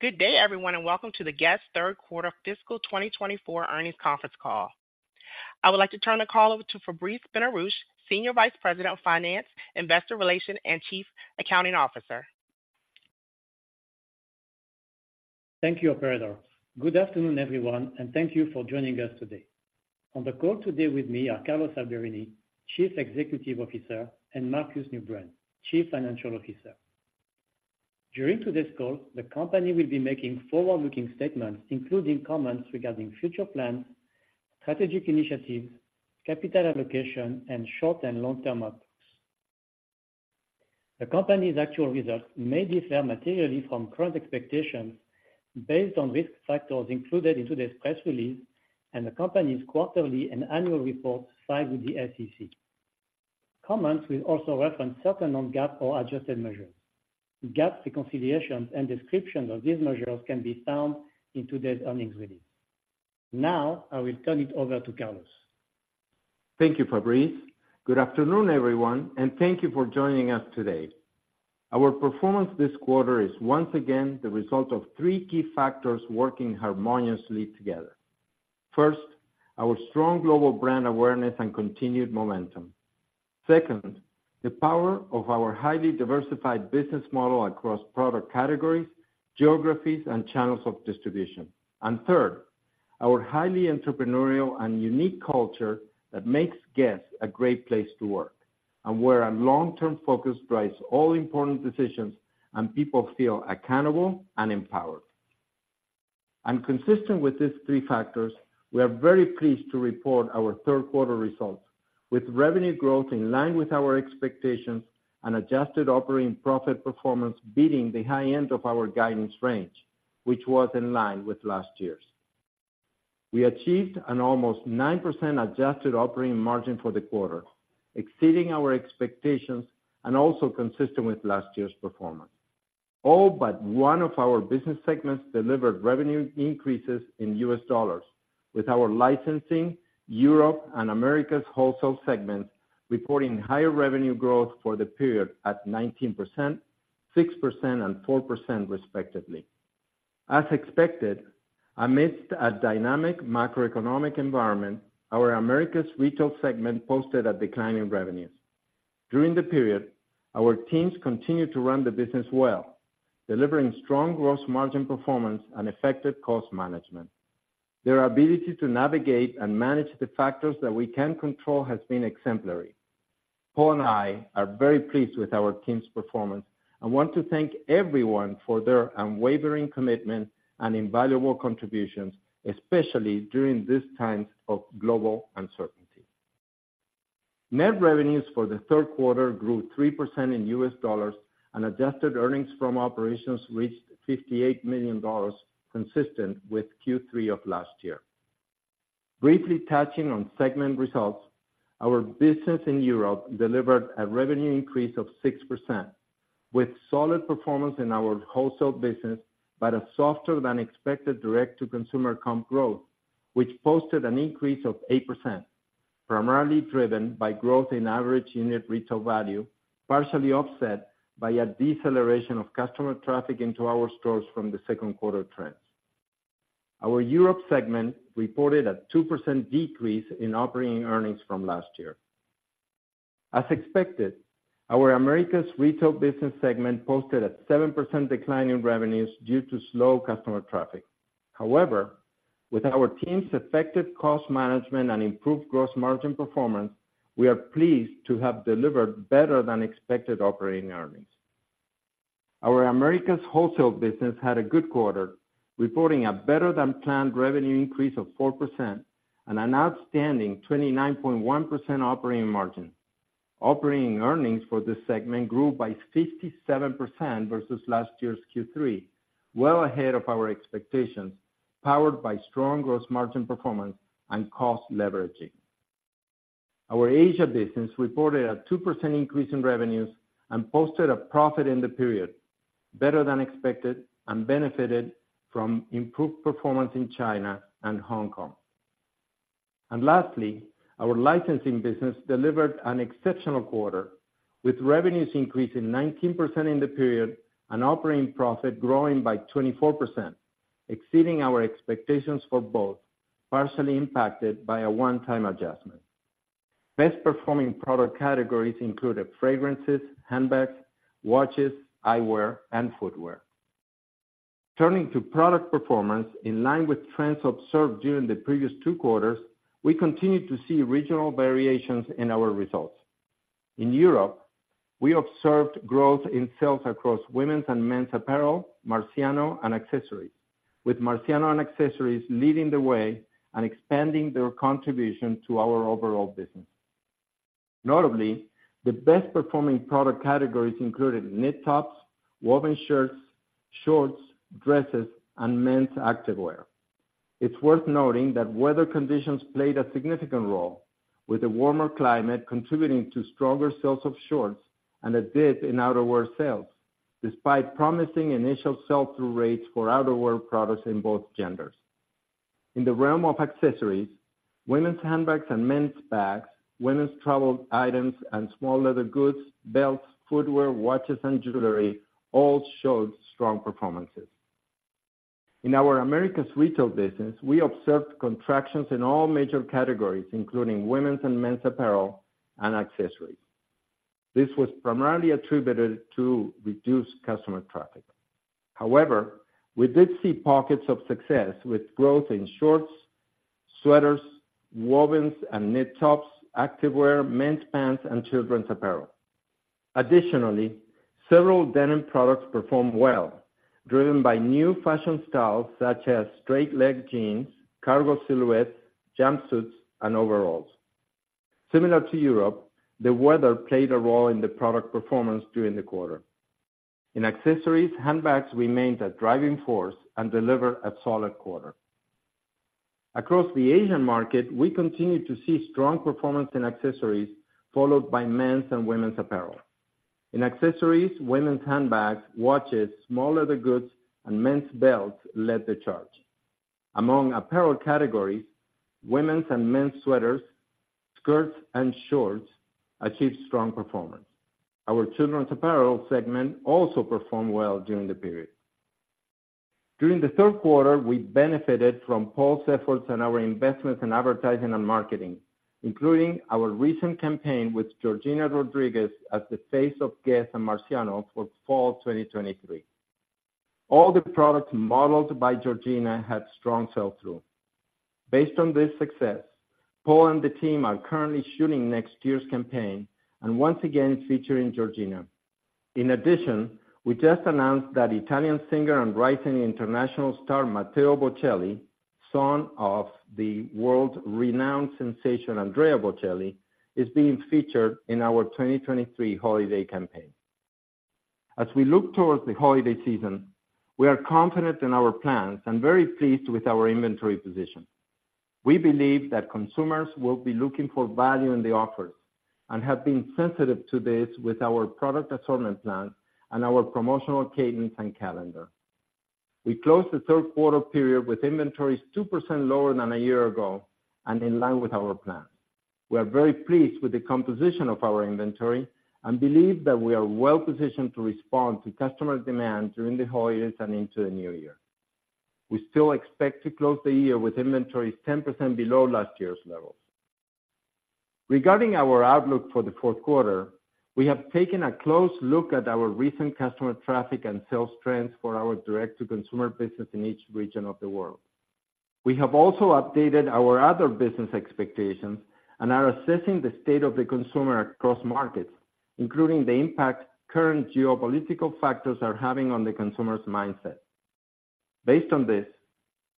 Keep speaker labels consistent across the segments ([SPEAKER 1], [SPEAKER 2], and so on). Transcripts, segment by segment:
[SPEAKER 1] Good day, everyone, and welcome to the Guess? third quarter fiscal 2024 earnings conference call. I would like to turn the call over to Fabrice Benarouche, Senior Vice President of Finance, Investor Relations, and Chief Accounting Officer.
[SPEAKER 2] Thank you, operator. Good afternoon, everyone, and thank you for joining us today. On the call today with me are Carlos Alberini, Chief Executive Officer, and Markus Neubrand, Chief Financial Officer. During today's call, the company will be making forward-looking statements, including comments regarding future plans, strategic initiatives, capital allocation, and short and long-term outcomes. The company's actual results may differ materially from current expectations based on risk factors included in today's press release and the company's quarterly and annual reports filed with the SEC. Comments will also reference certain non-GAAP or adjusted measures. GAAP reconciliations and descriptions of these measures can be found in today's earnings release. Now, I will turn it over to Carlos.
[SPEAKER 3] Thank you, Fabrice. Good afternoon, everyone, and thank you for joining us today. Our performance this quarter is once again the result of three key factors working harmoniously together. First, our strong global brand awareness and continued momentum. Second, the power of our highly diversified business model across product categories, geographies, and channels of distribution. And third, our highly entrepreneurial and unique culture that makes Guess? a great place to work, and where a long-term focus drives all important decisions, and people feel accountable and empowered. And consistent with these three factors, we are very pleased to report our third quarter results, with revenue growth in line with our expectations and adjusted operating profit performance beating the high end of our guidance range, which was in line with last year's. We achieved an almost 9% adjusted operating margin for the quarter, exceeding our expectations and also consistent with last year's performance. All but one of our business segments delivered revenue increases in U.S. dollars, with our licensing, Europe, and Americas Wholesale segment reporting higher revenue growth for the period at 19%, 6%, and 4%, respectively. As expected, amidst a dynamic macroeconomic environment, our Americas Retail segment posted a decline in revenues. During the period, our teams continued to run the business well, delivering strong gross margin performance and effective cost management. Their ability to navigate and manage the factors that we can control has been exemplary. Paul and I are very pleased with our team's performance and want to thank everyone for their unwavering commitment and invaluable contributions, especially during these times of global uncertainty. Net revenues for the third quarter grew 3% in USD, and adjusted earnings from operations reached $58 million, consistent with Q3 of last year. Briefly touching on segment results, our business in Europe delivered a revenue increase of 6%, with solid performance in our wholesale business, but a softer than expected direct-to-consumer comp growth, which posted an increase of 8%, primarily driven by growth in average unit retail value, partially offset by a deceleration of customer traffic into our stores from the second quarter trends. Our Europe segment reported a 2% decrease in operating earnings from last year. As expected, our Americas Retail business segment posted a 7% decline in revenues due to slow customer traffic. However, with our team's effective cost management and improved gross margin performance, we are pleased to have delivered better than expected operating earnings. Our Americas Wholesale business had a good quarter, reporting a better than planned revenue increase of 4% and an outstanding 29.1% operating margin. Operating earnings for this segment grew by 57% versus last year's Q3, well ahead of our expectations, powered by strong gross margin performance and cost leveraging. Our Asia business reported a 2% increase in revenues and posted a profit in the period, better than expected, and benefited from improved performance in China and Hong Kong. Lastly, our licensing business delivered an exceptional quarter, with revenues increasing 19% in the period and operating profit growing by 24%, exceeding our expectations for both, partially impacted by a one-time adjustment. Best performing product categories included fragrances, handbags, watches, eyewear, and footwear. Turning to product performance, in line with trends observed during the previous two quarters, we continued to see regional variations in our results. In Europe, we observed growth in sales across women's and men's apparel, Marciano and accessories, with Marciano and accessories leading the way and expanding their contribution to our overall business. Notably, the best performing product categories included knit tops, woven shirts, shorts, dresses, and men's activewear. It's worth noting that weather conditions played a significant role, with a warmer climate contributing to stronger sales of shorts and a dip in outerwear sales, despite promising initial sell-through rates for outerwear products in both genders. In the realm of accessories, women's handbags and men's bags, women's travel items and small leather goods, belts, footwear, watches and jewelry, all showed strong performances. In our Americas retail business, we observed contractions in all major categories, including women's and men's apparel and accessories. This was primarily attributed to reduced customer traffic. However, we did see pockets of success with growth in shorts, sweaters, wovens and knit tops, activewear, men's pants and children's apparel. Additionally, several denim products performed well, driven by new fashion styles such as straight leg jeans, cargo silhouettes, jumpsuits, and overalls. Similar to Europe, the weather played a role in the product performance during the quarter. In accessories, handbags remained a driving force and delivered a solid quarter. Across the Asian market, we continued to see strong performance in accessories, followed by men's and women's apparel. In accessories, women's handbags, watches, small leather goods, and men's belts led the charge. Among apparel categories, women's and men's sweaters, skirts, and shorts achieved strong performance. Our children's apparel segment also performed well during the period. During the third quarter, we benefited from Paul's efforts and our investments in advertising and marketing, including our recent campaign with Georgina Rodríguez as the face of Guess? and Marciano for fall 2023. All the products modeled by Georgina had strong sell-through. Based on this success, Paul and the team are currently shooting next year's campaign, and once again featuring Georgina. In addition, we just announced that Italian singer and rising international star, Matteo Bocelli, son of the world-renowned sensation, Andrea Bocelli, is being featured in our 2023 holiday campaign. As we look towards the holiday season, we are confident in our plans and very pleased with our inventory position. We believe that consumers will be looking for value in the offers, and have been sensitive to this with our product assortment plan and our promotional cadence and calendar. We closed the third quarter period with inventories 2% lower than a year ago and in line with our plan. We are very pleased with the composition of our inventory and believe that we are well positioned to respond to customer demand during the holidays and into the new year. We still expect to close the year with inventories 10% below last year's levels. Regarding our outlook for the fourth quarter, we have taken a close look at our recent customer traffic and sales trends for our direct-to-consumer business in each region of the world. We have also updated our other business expectations and are assessing the state of the consumer across markets, including the impact current geopolitical factors are having on the consumer's mindset. Based on this,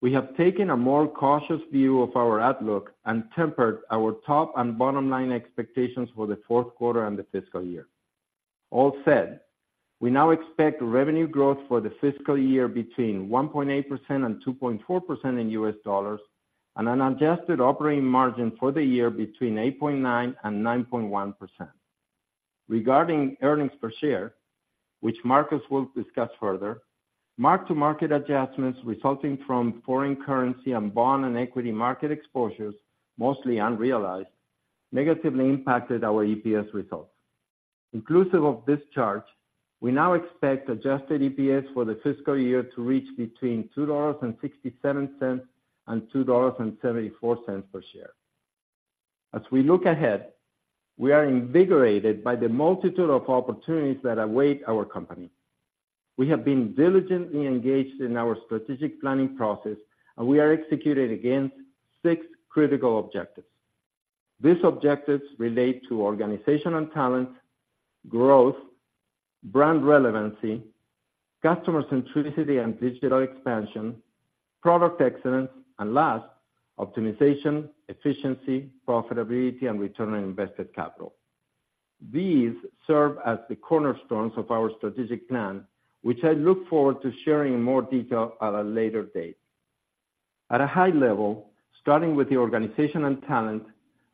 [SPEAKER 3] we have taken a more cautious view of our outlook and tempered our top and bottom line expectations for the fourth quarter and the fiscal year. All said, we now expect revenue growth for the fiscal year between 1.8% and 2.4% in U.S. dollars, and an adjusted operating margin for the year between 8.9% and 9.1%. Regarding earnings per share, which Markus will discuss further, mark-to-market adjustments resulting from foreign currency and bond and equity market exposures, mostly unrealized, negatively impacted our EPS results. Inclusive of this charge, we now expect adjusted EPS for the fiscal year to reach between $2.67 and $2.74 per share. As we look ahead, we are invigorated by the multitude of opportunities that await our company. We have been diligently engaged in our strategic planning process, and we are executing against six critical objectives. These objectives relate to organization and talent, growth, brand relevancy, customer centricity and digital expansion, product excellence, and last, optimization, efficiency, profitability and return on invested capital. These serve as the cornerstones of our strategic plan, which I look forward to sharing in more detail at a later date. At a high level, starting with the organization and talent,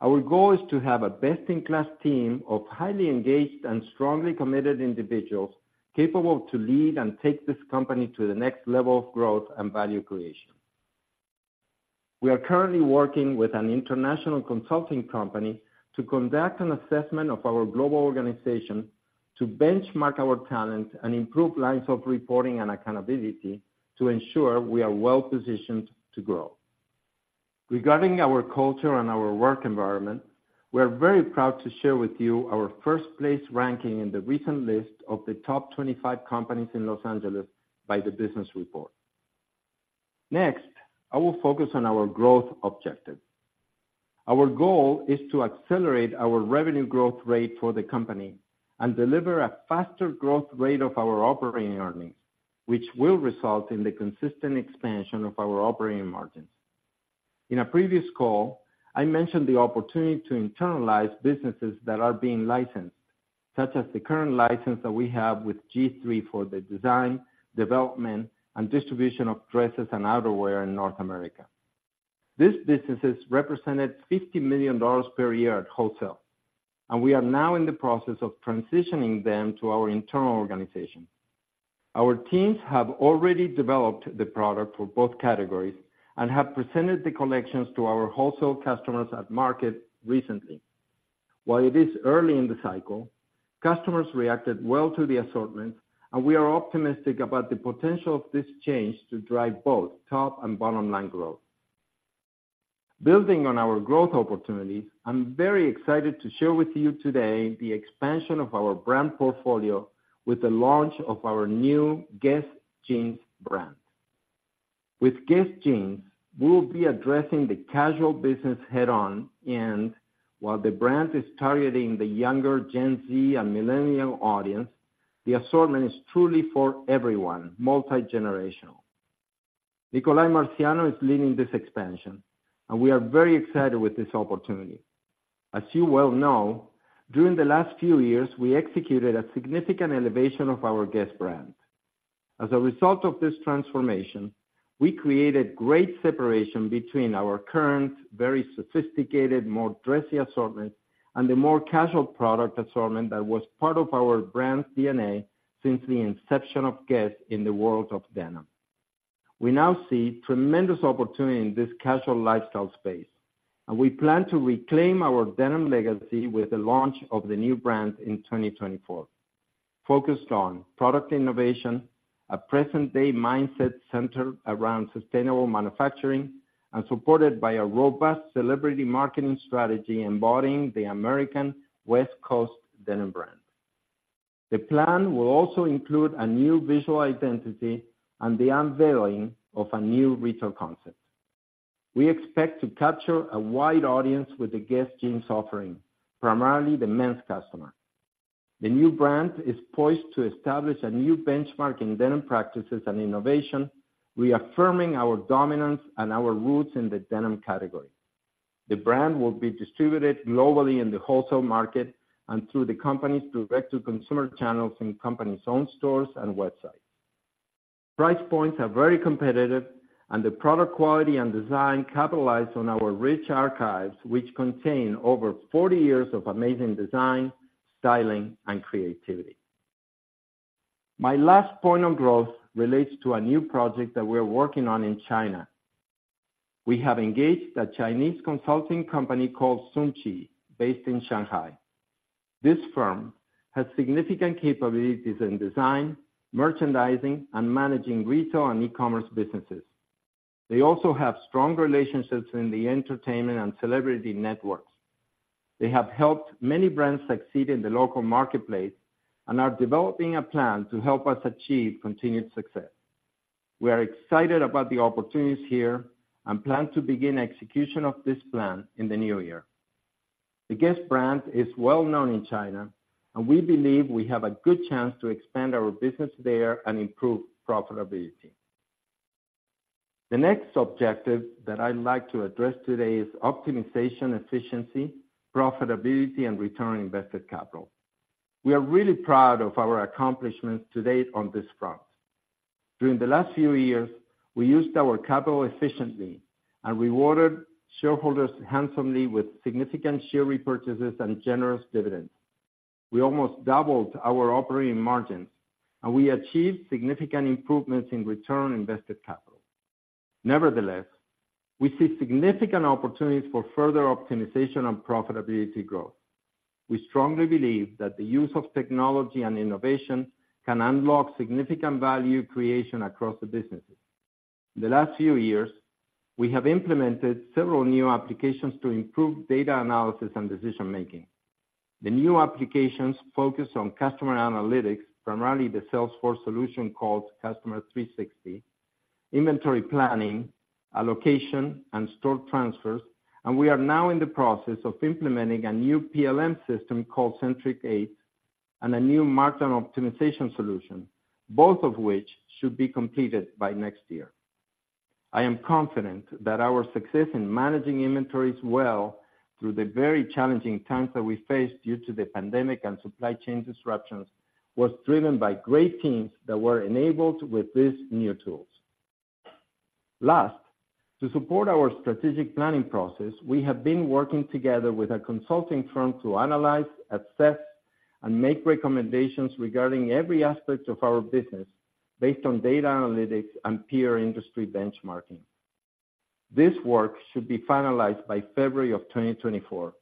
[SPEAKER 3] our goal is to have a best-in-class team of highly engaged and strongly committed individuals, capable to lead and take this company to the next level of growth and value creation. We are currently working with an international consulting company to conduct an assessment of our global organization, to benchmark our talent and improve lines of reporting and accountability to ensure we are well positioned to grow. Regarding our culture and our work environment, we are very proud to share with you our first place ranking in the recent list of the top 25 companies in Los Angeles by the Business Report. Next, I will focus on our growth objective. Our goal is to accelerate our revenue growth rate for the company and deliver a faster growth rate of our operating earnings, which will result in the consistent expansion of our operating margins. In a previous call, I mentioned the opportunity to internalize businesses that are being licensed, such as the current license that we have with G-III for the design, development, and distribution of dresses and outerwear in North America. These businesses represented $50 million per year at wholesale, and we are now in the process of transitioning them to our internal organization. Our teams have already developed the product for both categories and have presented the collections to our wholesale customers at market recently. While it is early in the cycle, customers reacted well to the assortment, and we are optimistic about the potential of this change to drive both top and bottom-line growth. Building on our growth opportunities, I'm very excited to share with you today the expansion of our brand portfolio with the launch of our new GUESS Jeans brand. With GUESS Jeans, we will be addressing the casual business head-on, and while the brand is targeting the younger Gen Z and millennial audience, the assortment is truly for everyone, multi-generational. Nicolai Marciano is leading this expansion, and we are very excited with this opportunity. As you well know, during the last few years, we executed a significant elevation of our GUESS brand. As a result of this transformation, we created great separation between our current, very sophisticated, more dressy assortment and the more casual product assortment that was part of our brand's DNA since the inception of Guess in the world of denim. We now see tremendous opportunity in this casual lifestyle space, and we plan to reclaim our denim legacy with the launch of the new brand in 2024. Focused on product innovation, a present-day mindset centered around sustainable manufacturing, and supported by a robust celebrity marketing strategy embodying the American West Coast denim brand. The plan will also include a new visual identity and the unveiling of a new retail concept. We expect to capture a wide audience with the Guess Jeans offering, primarily the men's customer. The new brand is poised to establish a new benchmark in denim practices and innovation, reaffirming our dominance and our roots in the denim category. The brand will be distributed globally in the wholesale market and through the company's direct-to-consumer channels in company's own stores and websites. Price points are very competitive, and the product quality and design capitalize on our rich archives, which contain over 40 years of amazing design, styling, and creativity. My last point of growth relates to a new project that we're working on in China. We have engaged a Chinese consulting company called Xunchi based in Shanghai. This firm has significant capabilities in design, merchandising, and managing retail and e-commerce businesses. They also have strong relationships in the entertainment and celebrity networks. They have helped many brands succeed in the local marketplace and are developing a plan to help us achieve continued success. We are excited about the opportunities here and plan to begin execution of this plan in the new year. The Guess brand is well known in China, and we believe we have a good chance to expand our business there and improve profitability. The next objective that I'd like to address today is optimization, efficiency, profitability, and return on invested capital. We are really proud of our accomplishments to date on this front. During the last few years, we used our capital efficiently and rewarded shareholders handsomely with significant share repurchases and generous dividends. We almost doubled our operating margins, and we achieved significant improvements in return on invested capital. Nevertheless, we see significant opportunities for further optimization and profitability growth. We strongly believe that the use of technology and innovation can unlock significant value creation across the businesses. The last few years, we have implemented several new applications to improve data analysis and decision making. The new applications focus on customer analytics, primarily the Salesforce solution called Customer 360, inventory planning, allocation, and store transfers, and we are now in the process of implementing a new PLM system called Centric 8, and a new markdown optimization solution, both of which should be completed by next year. I am confident that our success in managing inventories well through the very challenging times that we faced due to the pandemic and supply chain disruptions, was driven by great teams that were enabled with these new tools. Last, to support our strategic planning process, we have been working together with a consulting firm to analyze, assess, and make recommendations regarding every aspect of our business based on data analytics and peer industry benchmarking. This work should be finalized by February of 2024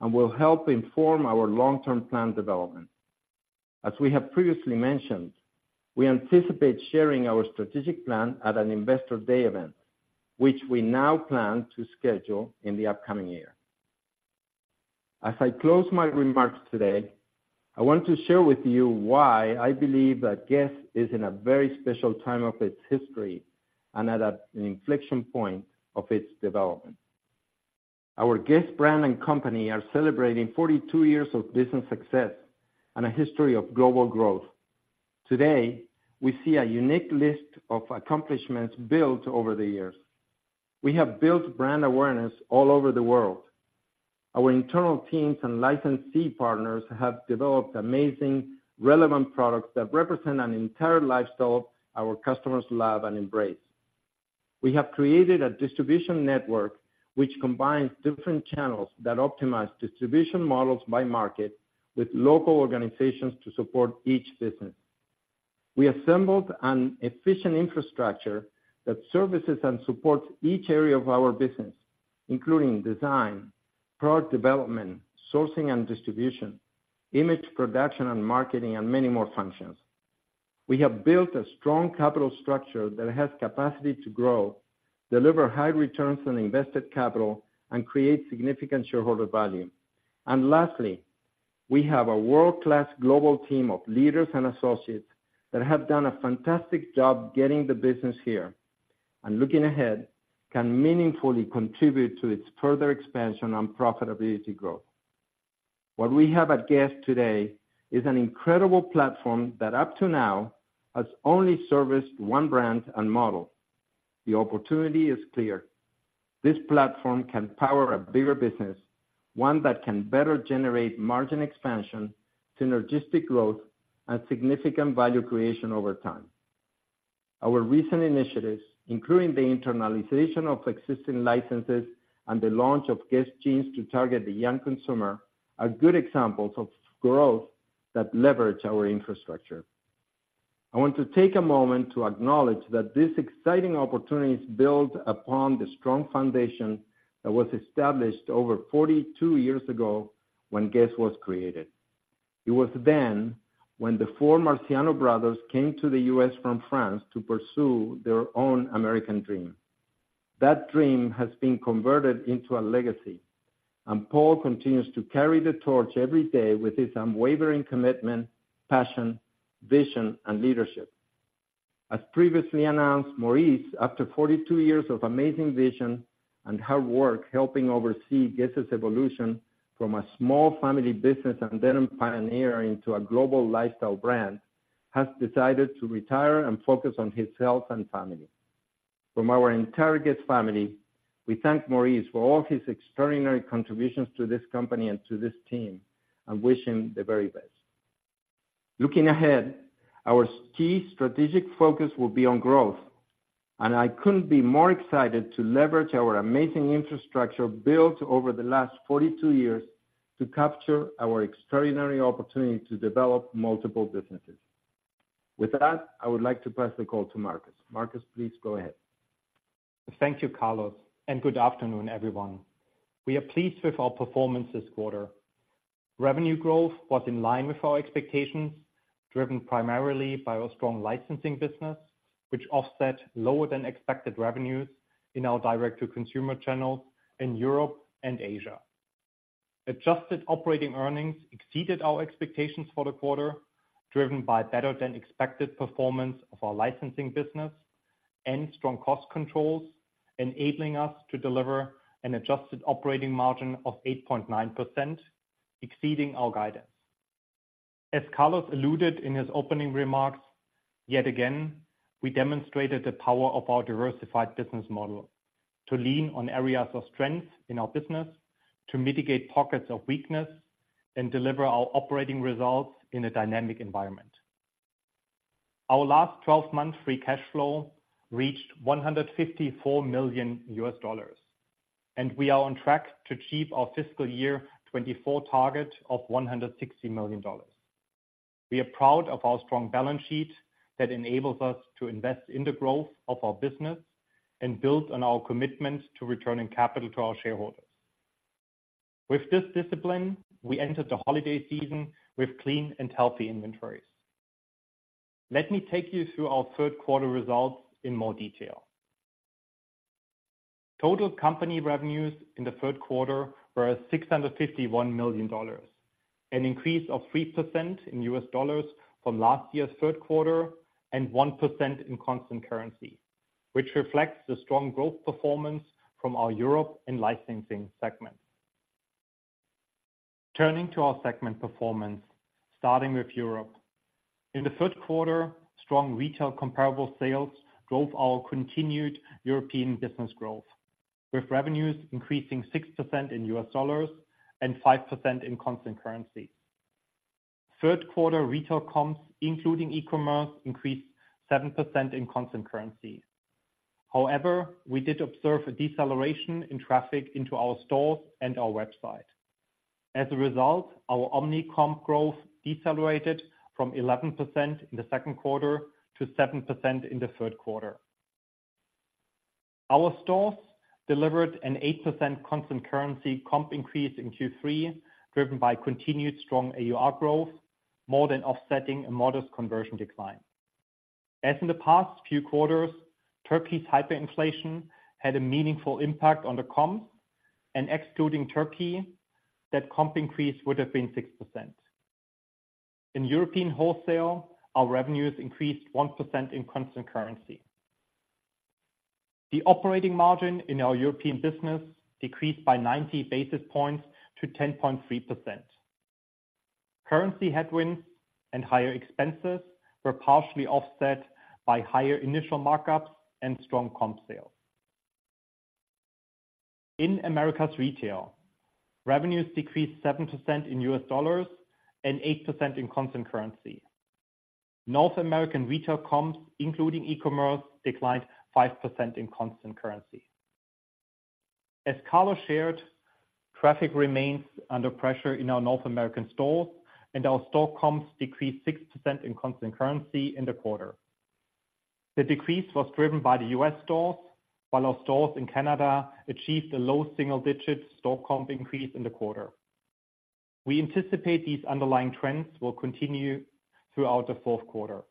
[SPEAKER 3] and will help inform our long-term plan development. As we have previously mentioned, we anticipate sharing our strategic plan at an Investor Day event, which we now plan to schedule in the upcoming year. As I close my remarks today, I want to share with you why I believe that Guess is in a very special time of its history and at an inflection point of its development. Our Guess brand and company are celebrating 42 years of business success and a history of global growth. Today, we see a unique list of accomplishments built over the years. We have built brand awareness all over the world. Our internal teams and licensee partners have developed amazing, relevant products that represent an entire lifestyle our customers love and embrace.... We have created a distribution network which combines different channels that optimize distribution models by market, with local organizations to support each business. We assembled an efficient infrastructure that services and supports each area of our business, including design, product development, sourcing and distribution, image production and marketing, and many more functions. We have built a strong capital structure that has capacity to grow, deliver high returns on invested capital, and create significant shareholder value. And lastly, we have a world-class global team of leaders and associates that have done a fantastic job getting the business here, and looking ahead, can meaningfully contribute to its further expansion and profitability growth. What we have at Guess? today is an incredible platform that up to now, has only serviced one brand and model. The opportunity is clear: this platform can power a bigger business, one that can better generate margin expansion, synergistic growth, and significant value creation over time. Our recent initiatives, including the internalization of existing licenses and the launch of Guess Jeans to target the young consumer, are good examples of growth that leverage our infrastructure. I want to take a moment to acknowledge that this exciting opportunity is built upon the strong foundation that was established over 42 years ago when Guess? was created. It was then, when the four Marciano brothers came to the U.S. from France to pursue their own American dream. That dream has been converted into a legacy, and Paul continues to carry the torch every day with his unwavering commitment, passion, vision, and leadership. As previously announced, Maurice, after 42 years of amazing vision and hard work, helping oversee Guess?'s evolution from a small family business and denim pioneer into a global lifestyle brand, has decided to retire and focus on his health and family. From our entire Guess? family, we thank Maurice for all his extraordinary contributions to this company and to this team, and wish him the very best. Looking ahead, our key strategic focus will be on growth, and I couldn't be more excited to leverage our amazing infrastructure, built over the last 42 years, to capture our extraordinary opportunity to develop multiple businesses. With that, I would like to pass the call to Markus. Markus, please go ahead.
[SPEAKER 4] Thank you, Carlos, and good afternoon, everyone. We are pleased with our performance this quarter. Revenue growth was in line with our expectations, driven primarily by our strong licensing business, which offset lower than expected revenues in our direct-to-consumer channels in Europe and Asia. Adjusted operating earnings exceeded our expectations for the quarter, driven by better than expected performance of our licensing business and strong cost controls, enabling us to deliver an adjusted operating margin of 8.9%, exceeding our guidance. As Carlos alluded in his opening remarks, yet again, we demonstrated the power of our diversified business model to lean on areas of strength in our business, to mitigate pockets of weakness, and deliver our operating results in a dynamic environment. Our last twelve-month free cash flow reached $154 million, and we are on track to achieve our fiscal year 2024 target of $160 million. We are proud of our strong balance sheet that enables us to invest in the growth of our business and build on our commitment to returning capital to our shareholders. With this discipline, we entered the holiday season with clean and healthy inventories. Let me take you through our third quarter results in more detail. Total company revenues in the third quarter were $651 million, an increase of 3% in U.S. dollars from last year's third quarter, and 1% in constant currency, which reflects the strong growth performance from our Europe and licensing segment. Turning to our segment performance, starting with Europe. In the third quarter, strong retail comparable sales drove our continued European business growth, with revenues increasing 6% in U.S. dollars and 5% in constant currency. Third quarter retail comps, including e-commerce, increased 7% in constant currency. However, we did observe a deceleration in traffic into our stores and our website. As a result, our omni comp growth decelerated from 11% in the second quarter to 7% in the third quarter. Our stores delivered an 8% constant currency comp increase in Q3, driven by continued strong AUR growth, more than offsetting a modest conversion decline. As in the past few quarters, Turkey's hyperinflation had a meaningful impact on the comps, and excluding Turkey, that comp increase would have been 6%. In European wholesale, our revenues increased 1% in constant currency. The operating margin in our European business decreased by 90 basis points to 10.3%. Currency headwinds and higher expenses were partially offset by higher initial markups and strong comp sales. In Americas Retail, revenues decreased 7% in U.S. dollars and 8% in constant currency. North American retail comps, including e-commerce, declined 5% in constant currency. As Carlos shared, traffic remains under pressure in our North American stores, and our store comps decreased 6% in constant currency in the quarter. The decrease was driven by the U.S. stores, while our stores in Canada achieved a low single-digit store comp increase in the quarter. We anticipate these underlying trends will continue throughout the fourth quarter.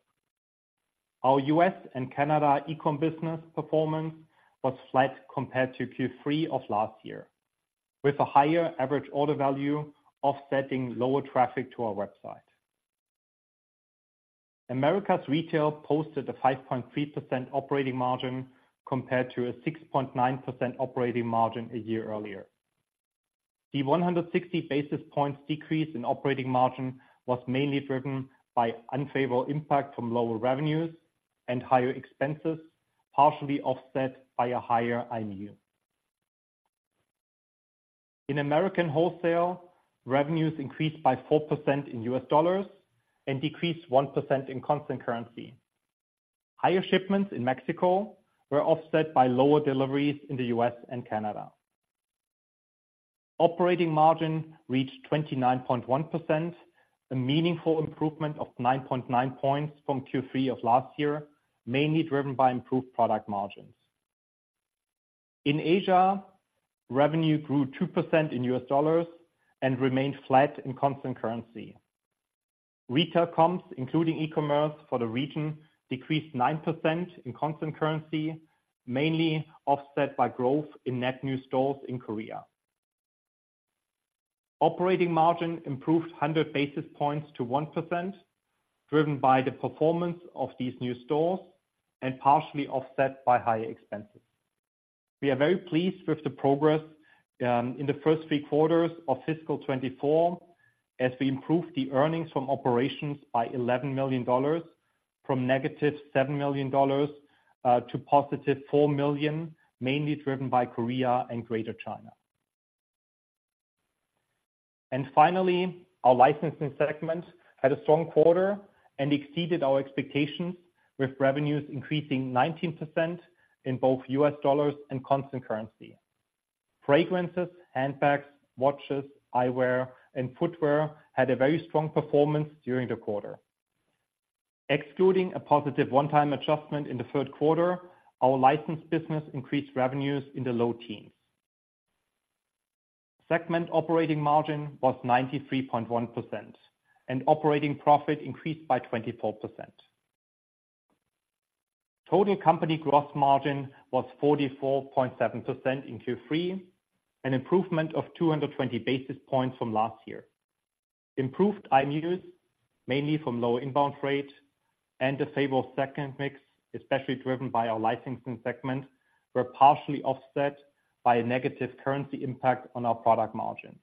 [SPEAKER 4] Our U.S. and Canada e-com business performance was flat compared to Q3 of last year, with a higher average order value offsetting lower traffic to our website. Americas retail posted a 5.3% operating margin, compared to a 6.9% operating margin a year earlier. The 160 basis points decrease in operating margin was mainly driven by unfavorable impact from lower revenues and higher expenses, partially offset by a higher IMU. In Americas wholesale, revenues increased by 4% in U.S. dollars and decreased 1% in constant currency. Higher shipments in Mexico were offset by lower deliveries in the U.S. and Canada. Operating margin reached 29.1%, a meaningful improvement of 9.9 points from Q3 of last year, mainly driven by improved product margins. In Asia, revenue grew 2% in U.S. dollars and remained flat in constant currency. Retail comps, including e-commerce for the region, decreased 9% in constant currency, mainly offset by growth in net new stores in Korea. Operating margin improved 100 basis points to 1%, driven by the performance of these new stores and partially offset by higher expenses. We are very pleased with the progress in the first three quarters of fiscal 2024, as we improved the earnings from operations by $11 million from negative $7 million to positive $4 million, mainly driven by Korea and Greater China. And finally, our licensing segment had a strong quarter and exceeded our expectations, with revenues increasing 19% in both US dollars and constant currency. Fragrances, handbags, watches, eyewear, and footwear had a very strong performance during the quarter. Excluding a positive one-time adjustment in the third quarter, our licensed business increased revenues in the low teens. Segment operating margin was 93.1%, and operating profit increased by 24%. Total company gross margin was 44.7% in Q3, an improvement of 220 basis points from last year. Improved IMUs, mainly from low inbound rates and the favorable product mix, especially driven by our licensing segment, were partially offset by a negative currency impact on our product margin.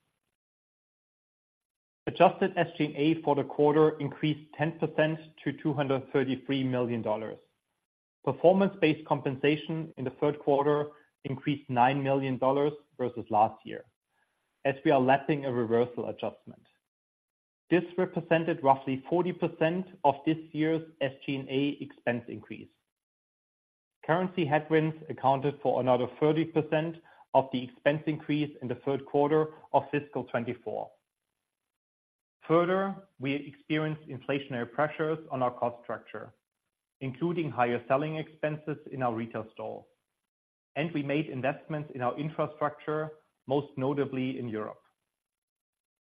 [SPEAKER 4] Adjusted SG&A for the quarter increased 10% to $233 million. Performance-based compensation in the third quarter increased $9 million versus last year, as we are lapping a reversal adjustment. This represented roughly 40% of this year's SG&A expense increase. Currency headwinds accounted for another 30% of the expense increase in the third quarter of fiscal 2024. Further, we experienced inflationary pressures on our cost structure, including higher selling expenses in our retail store, and we made investments in our infrastructure, most notably in Europe.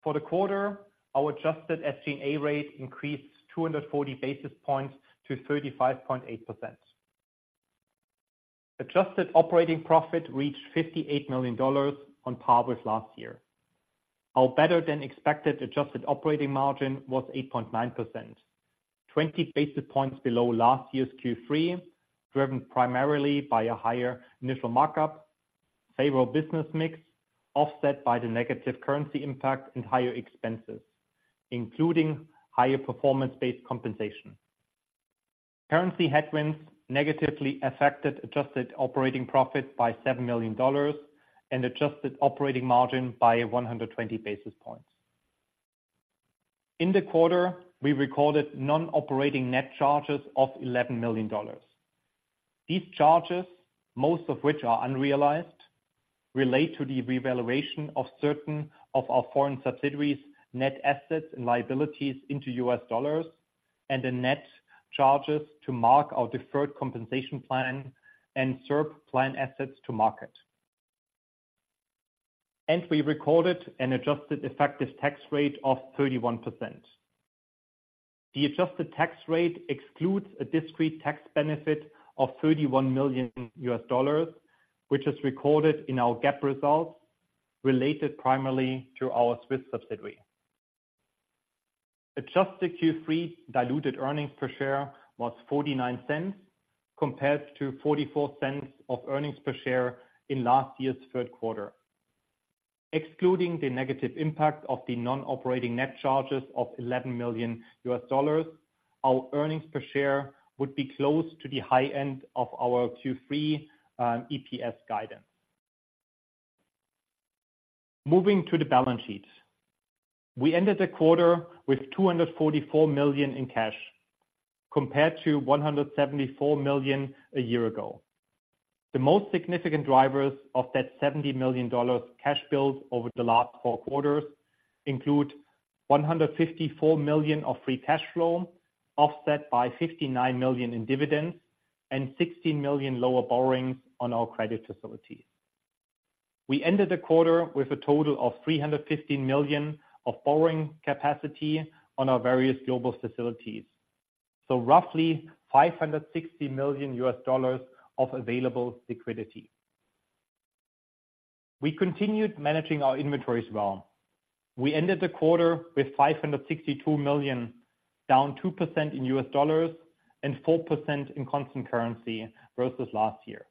[SPEAKER 4] For the quarter, our adjusted SG&A rate increased 240 basis points to 35.8%. Adjusted operating profit reached $58 million on par with last year. Our better-than-expected adjusted operating margin was 8.9%, 20 basis points below last year's Q3, driven primarily by a higher initial markup, favorable business mix, offset by the negative currency impact and higher expenses, including higher performance-based compensation. Currency headwinds negatively affected adjusted operating profit by $7 million and adjusted operating margin by 120 basis points. In the quarter, we recorded non-operating net charges of $11 million. These charges, most of which are unrealized, relate to the revaluation of certain of our foreign subsidiaries' net assets and liabilities into U.S. dollars, and the net charges to mark our deferred compensation plan and SERP plan assets to market. We recorded an adjusted effective tax rate of 31%. The adjusted tax rate excludes a discrete tax benefit of $31 million, which is recorded in our GAAP results, related primarily to our Swiss subsidiary. Adjusted Q3 diluted earnings per share was 0.49, compared to 0.44 of earnings per share in last year's third quarter.... excluding the negative impact of the non-operating net charges of $11 million, our earnings per share would be close to the high end of our Q3, EPS guidance. Moving to the balance sheet. We ended the quarter with 244 million in cash, compared to 174 million a year ago. The most significant drivers of that $70 million cash build over the last four quarters include 154 million of free cash flow, offset by 59 million in dividends and 16 million lower borrowings on our credit facilities. We ended the quarter with a total of 315 million of borrowing capacity on our various global facilities, so roughly $560 million of available liquidity. We continued managing our inventories well. We ended the quarter with $562 million, down 2% in US dollars and 4% in constant currency versus last year.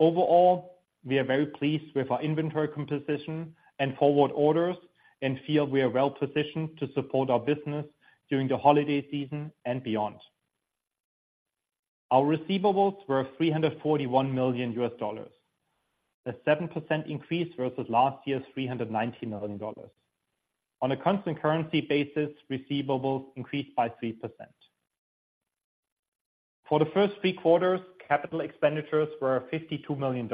[SPEAKER 4] Overall, we are very pleased with our inventory composition and forward orders and feel we are well positioned to support our business during the holiday season and beyond. Our receivables were $341 million, a 7% increase versus last year's $319 million. On a constant currency basis, receivables increased by 3%. For the first three quarters, capital expenditures were $52 million,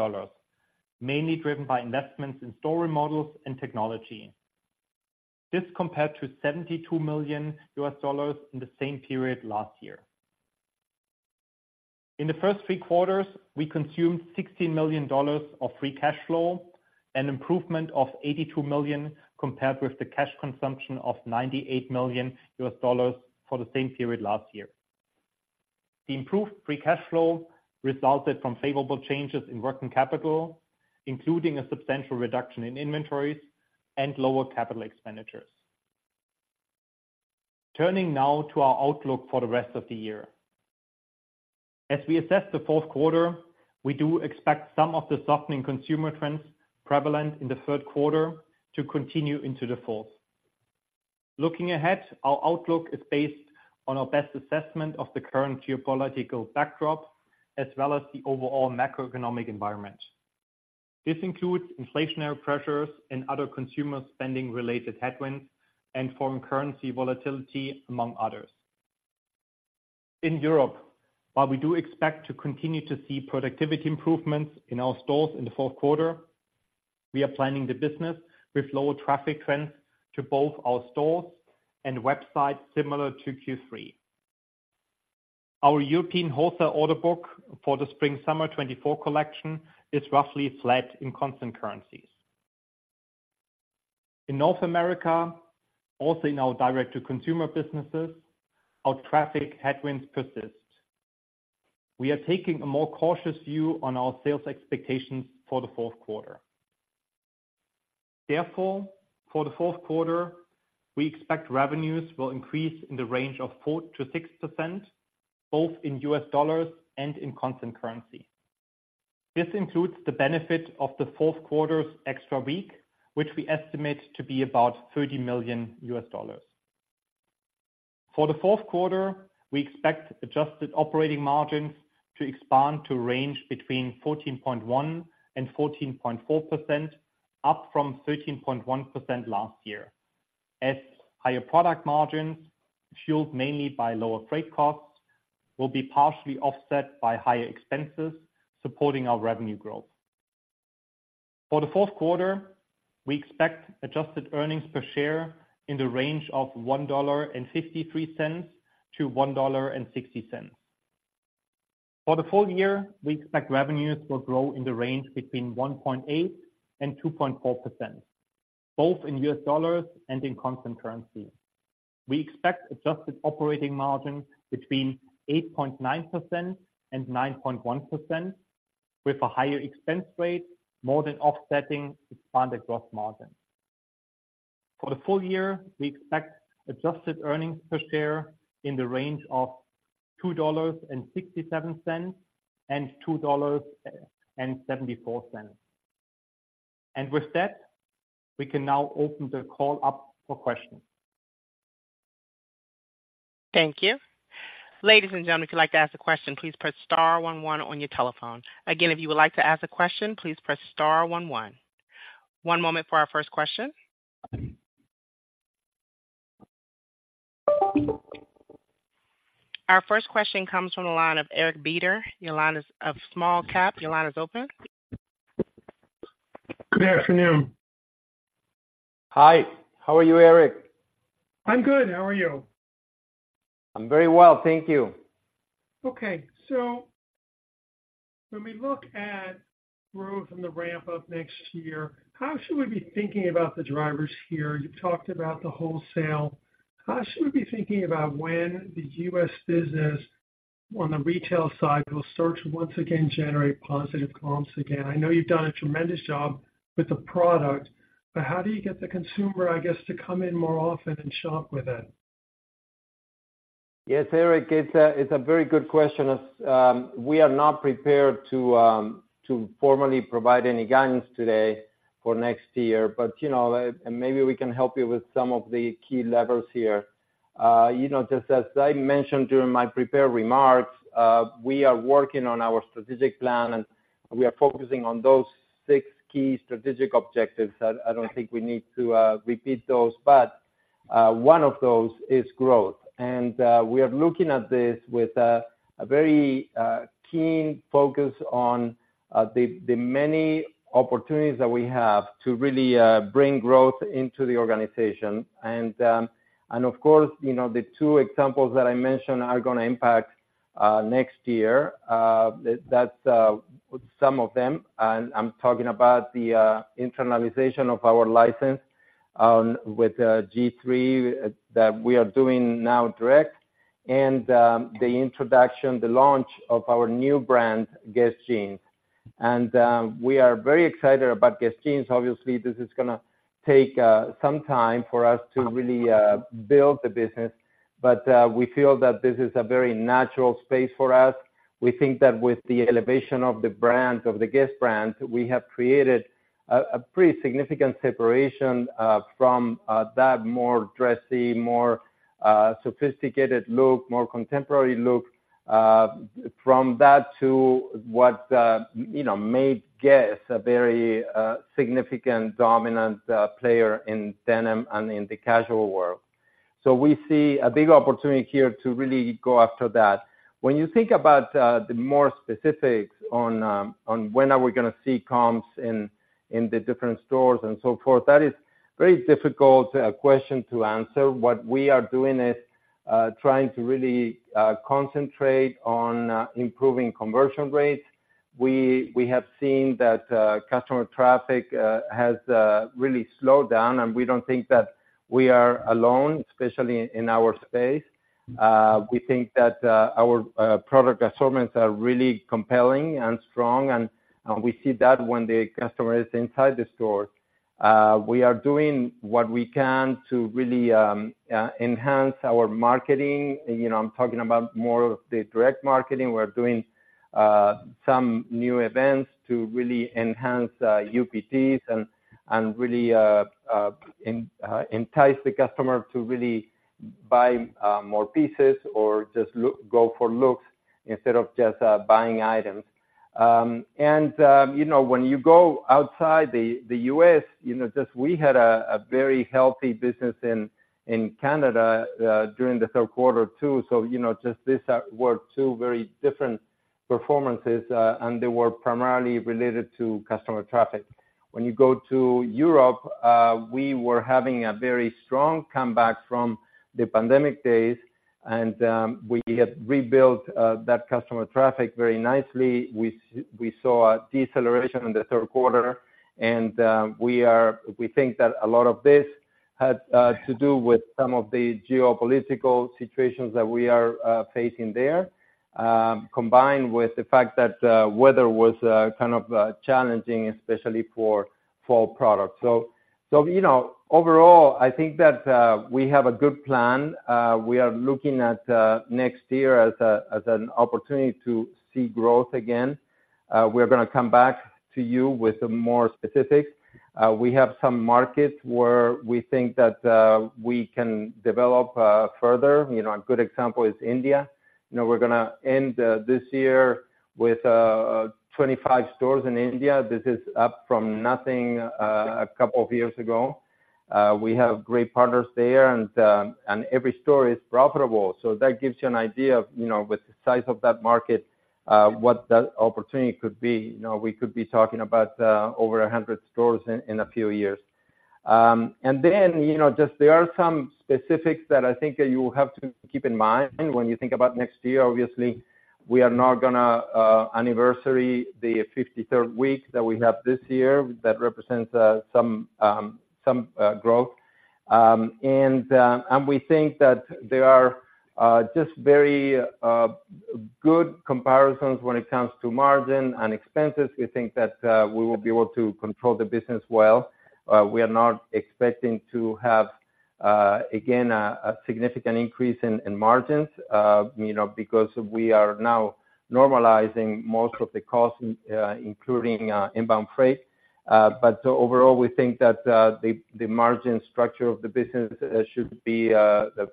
[SPEAKER 4] mainly driven by investments in store remodels and technology. This compared to $72 million in the same period last year. In the first three quarters, we consumed $16 million of free cash flow, an improvement of $82 million, compared with the cash consumption of $98 million for the same period last year. The improved free cash flow resulted from favorable changes in working capital, including a substantial reduction in inventories and lower capital expenditures. Turning now to our outlook for the rest of the year. As we assess the fourth quarter, we do expect some of the softening consumer trends prevalent in the third quarter to continue into the fourth. Looking ahead, our outlook is based on our best assessment of the current geopolitical backdrop, as well as the overall macroeconomic environment. This includes inflationary pressures and other consumer spending-related headwinds and foreign currency volatility, among others. In Europe, while we do expect to continue to see productivity improvements in our stores in the fourth quarter, we are planning the business with lower traffic trends to both our stores and websites, similar to Q3. Our European wholesale order book for the spring/summer 2024 collection is roughly flat in constant currencies. In North America, also in our direct-to-consumer businesses, our traffic headwinds persist. We are taking a more cautious view on our sales expectations for the fourth quarter. Therefore, for the fourth quarter, we expect revenues will increase in the range of 4%-6%, both in US dollars and in constant currency. This includes the benefit of the fourth quarter's extra week, which we estimate to be about $30 million. For the fourth quarter, we expect adjusted operating margins to expand to a range between 14.1% and 14.4%, up from 13.1% last year, as higher product margins, fueled mainly by lower freight costs, will be partially offset by higher expenses, supporting our revenue growth. For the fourth quarter, we expect adjusted earnings per share in the range of $1.53-$1.60. For the full year, we expect revenues will grow in the range between 1.8% and 2.4%, both in US dollars and in constant currency. We expect adjusted operating margin between 8.9% and 9.1%, with a higher expense rate, more than offsetting expanded gross margin. For the full year, we expect adjusted earnings per share in the range of $2.67 and $2.74. With that, we can now open the call up for questions.
[SPEAKER 1] Thank you. Ladies and gentlemen, if you'd like to ask a question, please press star one one on your telephone. Again, if you would like to ask a question, please press star one one. One moment for our first question. Our first question comes from the line of Eric Beder. Your line is... of Small Cap. Your line is open.
[SPEAKER 5] Good afternoon.
[SPEAKER 4] Hi, how are you, Eric?
[SPEAKER 5] I'm good. How are you?
[SPEAKER 4] I'm very well, thank you.
[SPEAKER 5] Okay, so when we look at growth and the ramp-up next year, how should we be thinking about the drivers here? You've talked about the wholesale. How should we be thinking about when the U.S. business, on the retail side, will start to once again generate positive comps again? I know you've done a tremendous job with the product, but how do you get the consumer, I guess, to come in more often and shop with it? ...
[SPEAKER 3] Yes, Eric, it's a very good question. As we are not prepared to formally provide any guidance today for next year. But you know, and maybe we can help you with some of the key levers here. You know, just as I mentioned during my prepared remarks, we are working on our strategic plan, and we are focusing on those six key strategic objectives. I don't think we need to repeat those, but one of those is growth. And we are looking at this with a very keen focus on the many opportunities that we have to really bring growth into the organization. And of course, you know, the two examples that I mentioned are going to impact next year. That's some of them, and I'm talking about the internalization of our license with G-III that we are doing now direct, and the introduction, the launch of our new brand, Guess Jeans. And we are very excited about Guess Jeans. Obviously, this is going to take some time for us to really build the business, but we feel that this is a very natural space for us. We think that with the elevation of the brand, of the Guess brand, we have created a pretty significant separation from that more dressy, more sophisticated look, more contemporary look from that to what you know made Guess a very significant, dominant player in denim and in the casual world. So we see a big opportunity here to really go after that. When you think about the more specifics on when are we going to see comps in the different stores and so forth, that is very difficult question to answer. What we are doing is trying to really concentrate on improving conversion rates. We have seen that customer traffic has really slowed down, and we don't think that we are alone, especially in our space. We think that our product assortments are really compelling and strong, and we see that when the customer is inside the store. We are doing what we can to really enhance our marketing. You know, I'm talking about more of the direct marketing. We're doing some new events to really enhance UPTs and really entice the customer to really buy more pieces or just go for looks instead of just buying items. And you know, when you go outside the U.S., you know, just we had a very healthy business in Canada during the third quarter, too. So, you know, just these are were two very different performances, and they were primarily related to customer traffic. When you go to Europe, we were having a very strong comeback from the pandemic days, and we have rebuilt that customer traffic very nicely. We saw a deceleration in the third quarter, and we think that a lot of this has to do with some of the geopolitical situations that we are facing there, combined with the fact that weather was kind of challenging, especially for fall products. So, you know, overall, I think that we have a good plan. We are looking at next year as a, as an opportunity to see growth again. We're going to come back to you with more specifics. We have some markets where we think that we can develop further. You know, a good example is India. You know, we're going to end this year with 25 stores in India. This is up from nothing a couple of years ago. We have great partners there, and every store is profitable, so that gives you an idea of, you know, with the size of that market, what that opportunity could be. You know, we could be talking about, over 100 stores in a few years. And then, you know, just there are some specifics that I think that you will have to keep in mind when you think about next year. Obviously, we are not going to anniversary the 53rd week that we have this year. That represents some growth. And we think that there are just very good comparisons when it comes to margin and expenses. We think that we will be able to control the business well. We are not expecting to have again a significant increase in margins, you know, because we are now normalizing most of the costs, including inbound freight. But so overall, we think that the margin structure of the business should be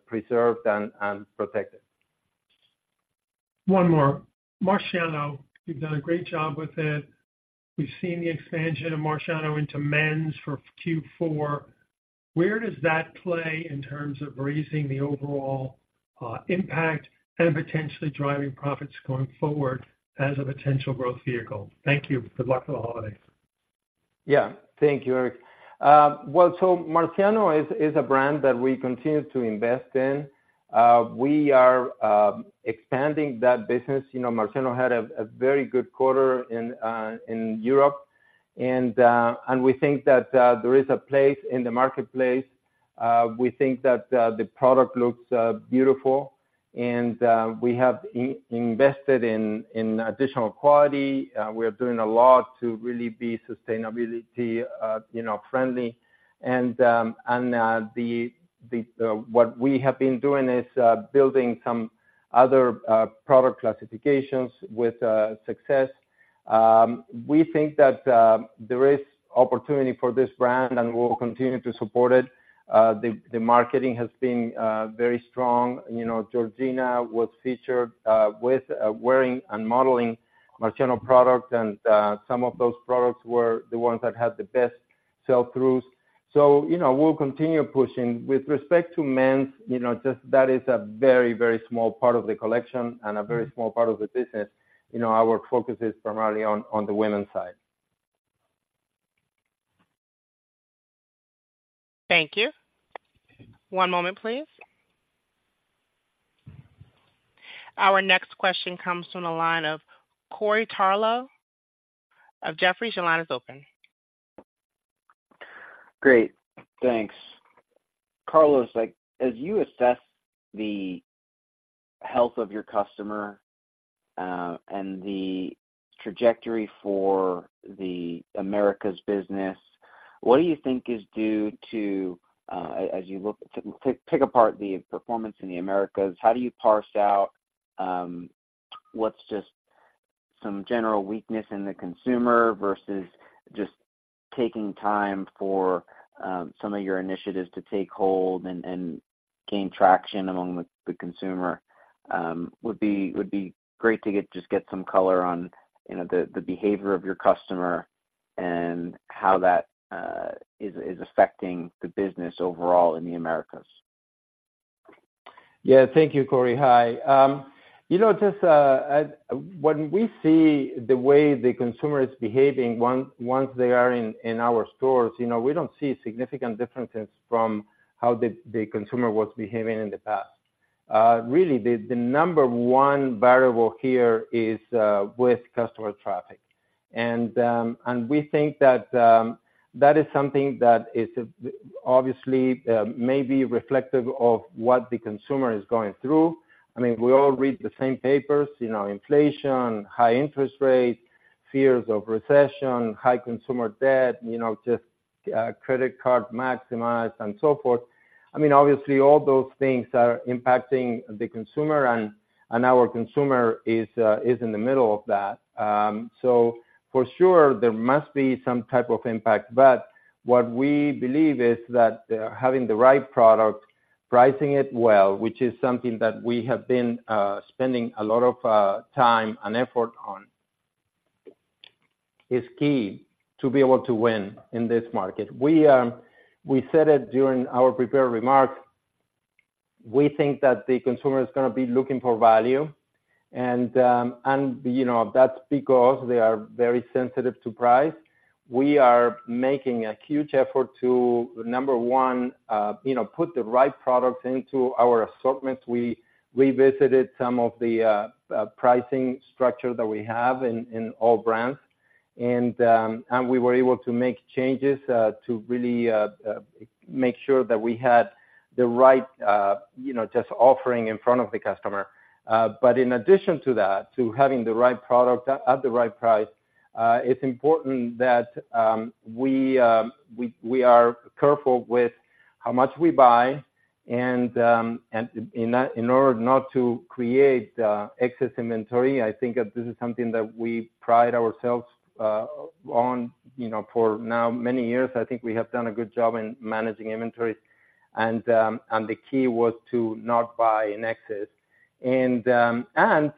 [SPEAKER 3] preserved and protected.
[SPEAKER 5] One more. Marciano, you've done a great job with it. We've seen the expansion of Marciano into men's for Q4. Where does that play in terms of raising the overall, impact and potentially driving profits going forward as a potential growth vehicle? Thank you. Good luck for the holidays.
[SPEAKER 3] Yeah. Thank you, Eric. Well, Marciano is a brand that we continue to invest in. We are expanding that business. You know, Marciano had a very good quarter in Europe, and we think that there is a place in the marketplace. We think that the product looks beautiful, and we have invested in additional quality. We are doing a lot to really be sustainability, you know, friendly. And what we have been doing is building some other product classifications with success. We think that there is opportunity for this brand, and we'll continue to support it. The marketing has been very strong. You know, Georgina was featured, with, wearing and modeling Marciano products, and, some of those products were the ones that had the best sell-throughs. So, you know, we'll continue pushing. With respect to men's, you know, just that is a very, very small part of the collection and a very small part of the business. You know, our focus is primarily on, on the women's side.
[SPEAKER 1] Thank you. One moment, please. Our next question comes from the line of Corey Tarlowe of Jefferies. Your line is open.
[SPEAKER 6] Great, thanks. Carlos, like, as you assess the health of your customer, and the trajectory for the Americas business, what do you think is due to, as you look to pick apart the performance in the Americas, how do you parse out, what's just some general weakness in the consumer versus just taking time for, some of your initiatives to take hold and gain traction among the consumer? Would be great to get some color on, you know, the behavior of your customer and how that is affecting the business overall in the Americas.
[SPEAKER 3] Yeah. Thank you, Corey. Hi. You know, just when we see the way the consumer is behaving once they are in our stores, you know, we don't see significant differences from how the consumer was behaving in the past. Really, the number one variable here is with customer traffic. And we think that that is something that is obviously maybe reflective of what the consumer is going through. I mean, we all read the same papers, you know, inflation, high interest rates, fears of recession, high consumer debt, you know, just credit card maximized and so forth. I mean, obviously, all those things are impacting the consumer, and our consumer is in the middle of that. So for sure, there must be some type of impact, but what we believe is that having the right product, pricing it well, which is something that we have been spending a lot of time and effort on, is key to be able to win in this market. We said it during our prepared remarks, we think that the consumer is going to be looking for value, and you know, that's because they are very sensitive to price. We are making a huge effort to, number one, you know, put the right products into our assortment. We revisited some of the pricing structure that we have in all brands, and we were able to make changes to really make sure that we had the right, you know, just offering in front of the customer. But in addition to that, to having the right product at the right price, it's important that we are careful with how much we buy, and in order not to create excess inventory. I think that this is something that we pride ourselves on, you know, for now many years. I think we have done a good job in managing inventory, and the key was to not buy in excess. And,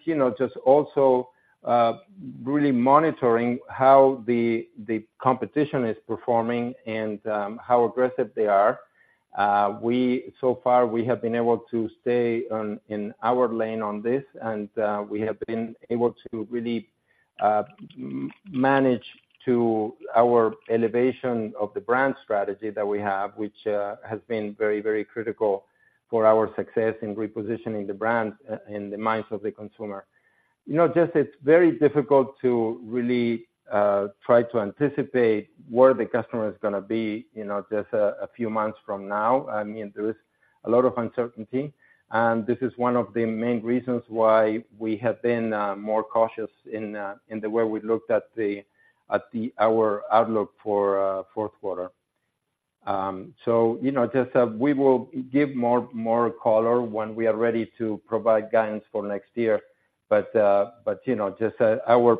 [SPEAKER 3] you know, just also really monitoring how the competition is performing and how aggressive they are. So far, we have been able to stay in our lane on this, and we have been able to really manage to our elevation of the brand strategy that we have, which has been very, very critical for our success in repositioning the brand in the minds of the consumer. You know, just it's very difficult to really try to anticipate where the customer is going to be, you know, just a few months from now. I mean, there is a lot of uncertainty, and this is one of the main reasons why we have been more cautious in the way we looked at our outlook for fourth quarter. So, you know, just, we will give more color when we are ready to provide guidance for next year. But, you know, just, our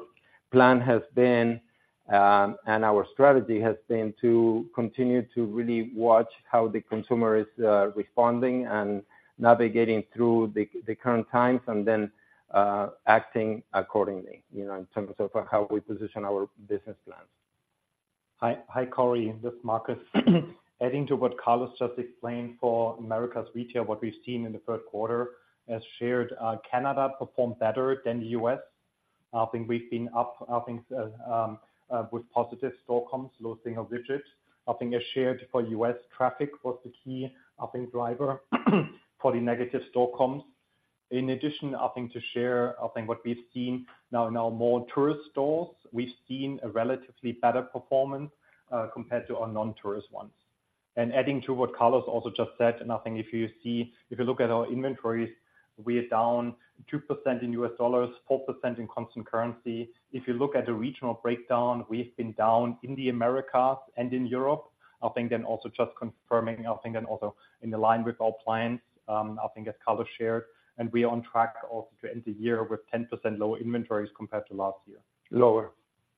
[SPEAKER 3] plan has been, and our strategy has been to continue to really watch how the consumer is responding and navigating through the current times, and then, acting accordingly, you know, in terms of how we position our business plans.
[SPEAKER 4] Hi. Hi, Corey. This is Markus. Adding to what Carlos just explained for Americas retail, what we've seen in the third quarter, as shared, Canada performed better than the U.S. I think we've been up, I think, with positive store comps, low single digits. I think as shared for U.S., traffic was the key, I think, driver, for the negative store comps. In addition, I think to share, I think what we've seen now in our more tourist stores, we've seen a relatively better performance, compared to our non-tourist ones. Adding to what Carlos also just said, and I think if you see, if you look at our inventories, we are down 2% in U.S. dollars, 4% in constant currency. If you look at the regional breakdown, we've been down in the Americas and in Europe. I think then also just confirming, I think, and also in line with our plans, I think as Carlos shared, and we are on track also to end the year with 10% lower inventories compared to last year.
[SPEAKER 3] Lower.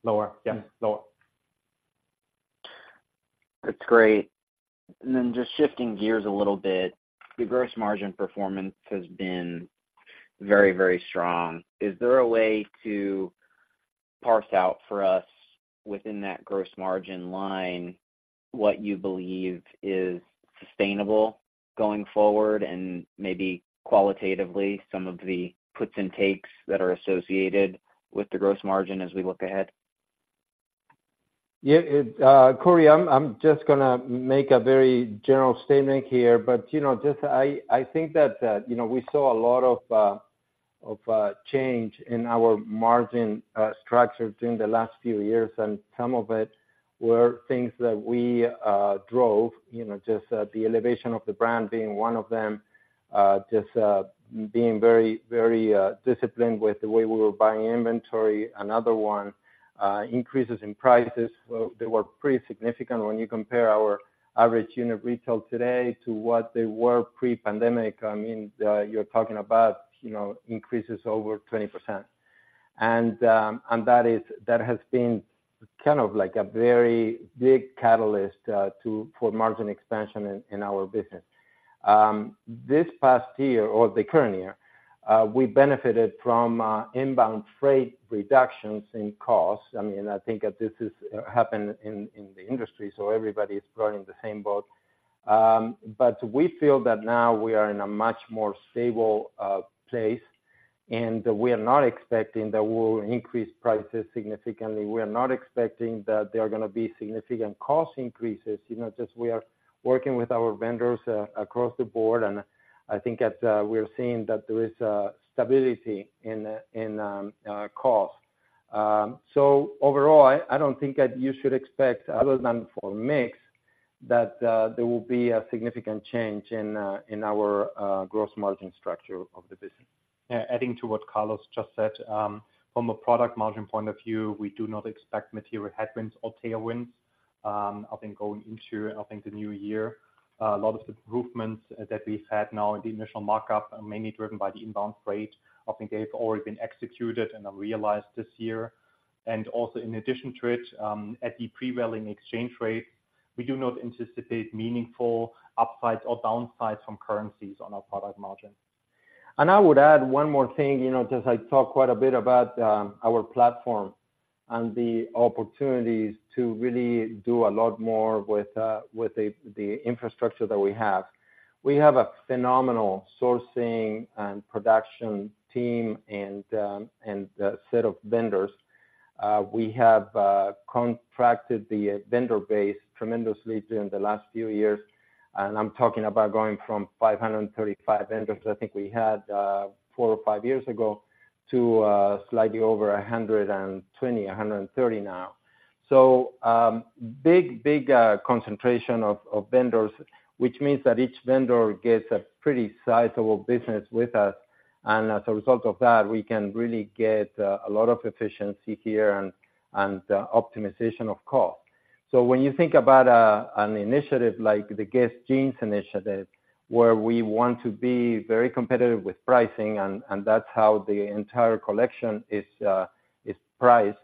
[SPEAKER 4] Lower.
[SPEAKER 3] Yeah, lower....
[SPEAKER 6] That's great. And then just shifting gears a little bit, the gross margin performance has been very, very strong. Is there a way to parse out for us within that gross margin line, what you believe is sustainable going forward, and maybe qualitatively, some of the puts and takes that are associated with the gross margin as we look ahead?
[SPEAKER 3] Yeah, it, Corey, I'm just going to make a very general statement here. But, you know, just I think that, you know, we saw a lot of, of, change in our margin structure during the last few years, and some of it were things that we drove, you know, just the elevation of the brand being one of them. Just being very, very disciplined with the way we were buying inventory. Another one, increases in prices. Well, they were pretty significant when you compare our average unit retail today to what they were pre-pandemic. I mean, you're talking about, you know, increases over 20%. And, and that is, that has been kind of like a very big catalyst, to for margin expansion in our business. This past year, or the current year, we benefited from inbound freight reductions in costs. I mean, I think that this is happened in the industry, so everybody is rowing the same boat. But we feel that now we are in a much more stable place, and we are not expecting that we'll increase prices significantly. We are not expecting that there are going to be significant cost increases. You know, just we are working with our vendors across the board, and I think that we're seeing that there is stability in cost. So overall, I don't think that you should expect, other than for mix, that there will be a significant change in our gross margin structure of the business.
[SPEAKER 4] Yeah, adding to what Carlos just said, from a product margin point of view, we do not expect material headwinds or tailwinds. I think going into, I think, the new year, a lot of improvements that we've had now in the initial markup are mainly driven by the inbound freight. I think they've already been executed and are realized this year. And also in addition to it, at the prevailing exchange rate, we do not anticipate meaningful upsides or downsides from currencies on our product margin.
[SPEAKER 3] And I would add one more thing, you know, just I talked quite a bit about our platform and the opportunities to really do a lot more with the infrastructure that we have. We have a phenomenal sourcing and production team and a set of vendors. We have contracted the vendor base tremendously during the last few years, and I'm talking about going from 535 vendors, I think we had, four or five years ago, to slightly over 120, 130 now. So, big concentration of vendors, which means that each vendor gets a pretty sizable business with us, and as a result of that, we can really get a lot of efficiency here and optimization of cost. So when you think about an initiative like the Guess Jeans initiative, where we want to be very competitive with pricing and, and that's how the entire collection is priced,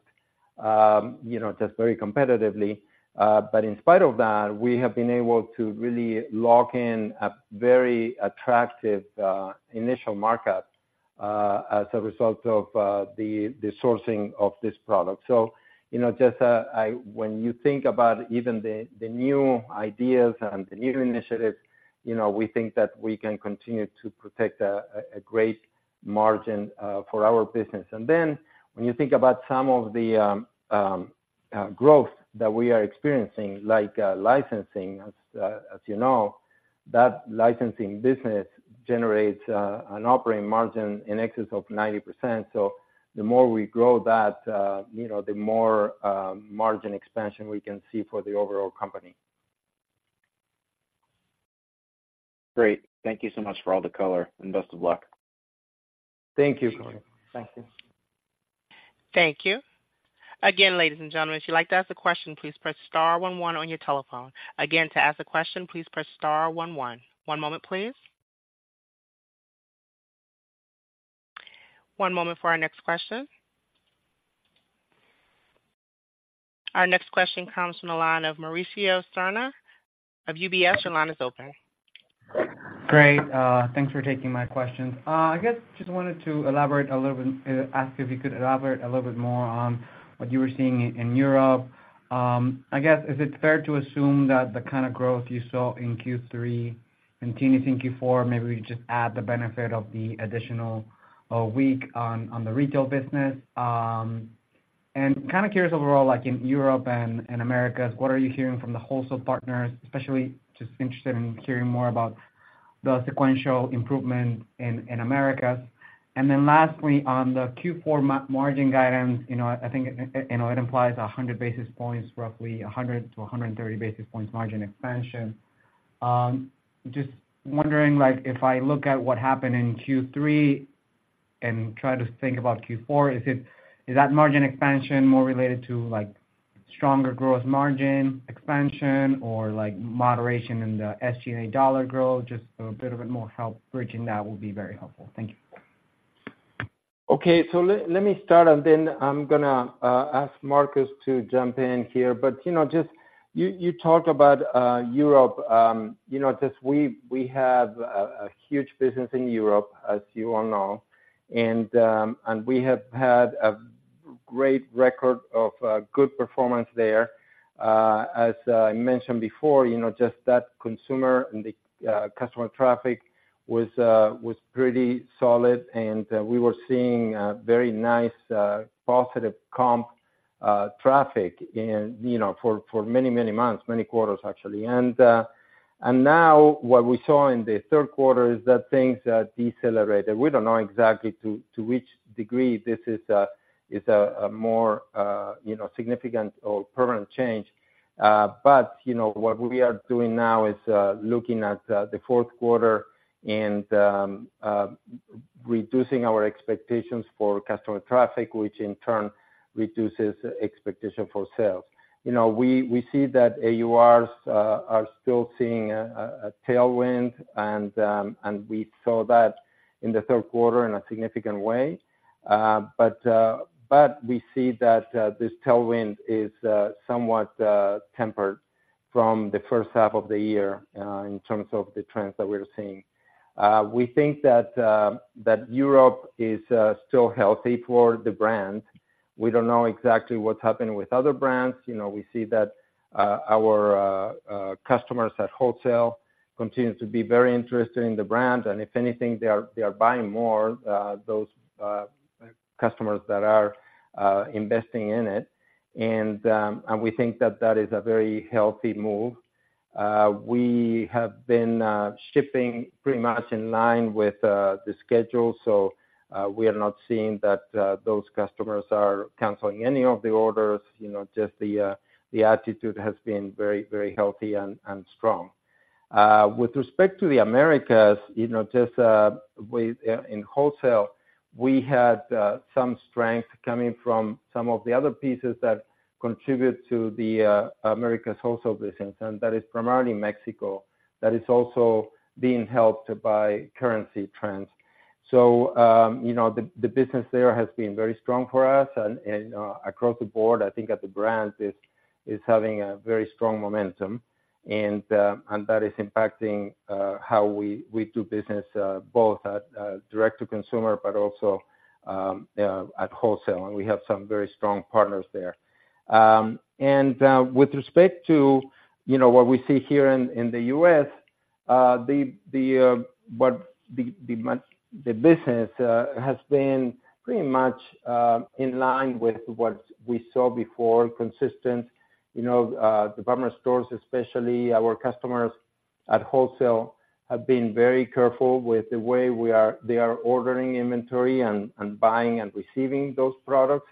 [SPEAKER 3] you know, just very competitively. But in spite of that, we have been able to really lock in a very attractive initial markup as a result of the sourcing of this product. So you know, just when you think about even the new ideas and the new initiatives, you know, we think that we can continue to protect a great margin for our business. And then when you think about some of the growth that we are experiencing, like licensing, as you know, that licensing business generates an operating margin in excess of 90%. The more we grow that, you know, the more margin expansion we can see for the overall company.
[SPEAKER 6] Great. Thank you so much for all the color, and best of luck.
[SPEAKER 3] Thank you, Corey.
[SPEAKER 4] Thank you.
[SPEAKER 1] Thank you. Again, ladies and gentlemen, if you'd like to ask a question, please press star one one on your telephone. Again, to ask a question, please press star one one. One moment, please. One moment for our next question. Our next question comes from the line of Mauricio Serna of UBS. Your line is open.
[SPEAKER 7] Great. Thanks for taking my questions. I guess just wanted to elaborate a little bit, ask if you could elaborate a little bit more on what you were seeing in Europe. I guess, is it fair to assume that the kind of growth you saw in Q3 continues in Q4? Maybe we could just add the benefit of the additional week on the retail business. And kind of curious overall, like in Europe and Americas, what are you hearing from the wholesale partners? Especially, just interested in hearing more about the sequential improvement in Americas. And then lastly, on the Q4 margin guidance, you know, I think, you know, it implies 100 basis points, roughly 100-130 basis points margin expansion. Just wondering, like, if I look at what happened in Q3 and try to think about Q4, is it... Is that margin expansion more related to, like, stronger gross margin expansion or, like, moderation in the SG&A dollar growth? Just a bit of a more help bridging that will be very helpful. Thank you....
[SPEAKER 3] Okay, so let me start, and then I'm going to ask Markus to jump in here. But, you know, just you talked about Europe. You know, just we have a huge business in Europe, as you all know, and we have had a great record of good performance there. As I mentioned before, you know, just that consumer and the customer traffic was pretty solid, and we were seeing a very nice positive comp traffic and, you know, for many months, many quarters, actually. And now what we saw in the third quarter is that things decelerated. We don't know exactly to which degree this is a more significant or permanent change. But, you know, what we are doing now is looking at the fourth quarter and reducing our expectations for customer traffic, which in turn reduces expectation for sales. You know, we see that AURs are still seeing a tailwind, and we saw that in the third quarter in a significant way. But we see that this tailwind is somewhat tempered from the first half of the year in terms of the trends that we're seeing. We think that Europe is still healthy for the brand. We don't know exactly what's happening with other brands. You know, we see that, our customers at wholesale continue to be very interested in the brand, and if anything, they are buying more, those customers that are investing in it. And we think that that is a very healthy move. We have been shipping pretty much in line with the schedule, so we are not seeing that those customers are canceling any of the orders. You know, just the attitude has been very, very healthy and strong. With respect to the Americas, you know, just with in wholesale, we had some strength coming from some of the other pieces that contribute to the Americas wholesale business, and that is primarily Mexico, that is also being helped by currency trends. So, you know, the business there has been very strong for us. Across the board, I think that the brand is having a very strong momentum, and that is impacting how we do business both at direct-to-consumer, but also at wholesale, and we have some very strong partners there. With respect to, you know, what we see here in the U.S., the business has been pretty much in line with what we saw before, consistent. You know, department stores, especially our customers at wholesale, have been very careful with the way they are ordering inventory and buying and receiving those products.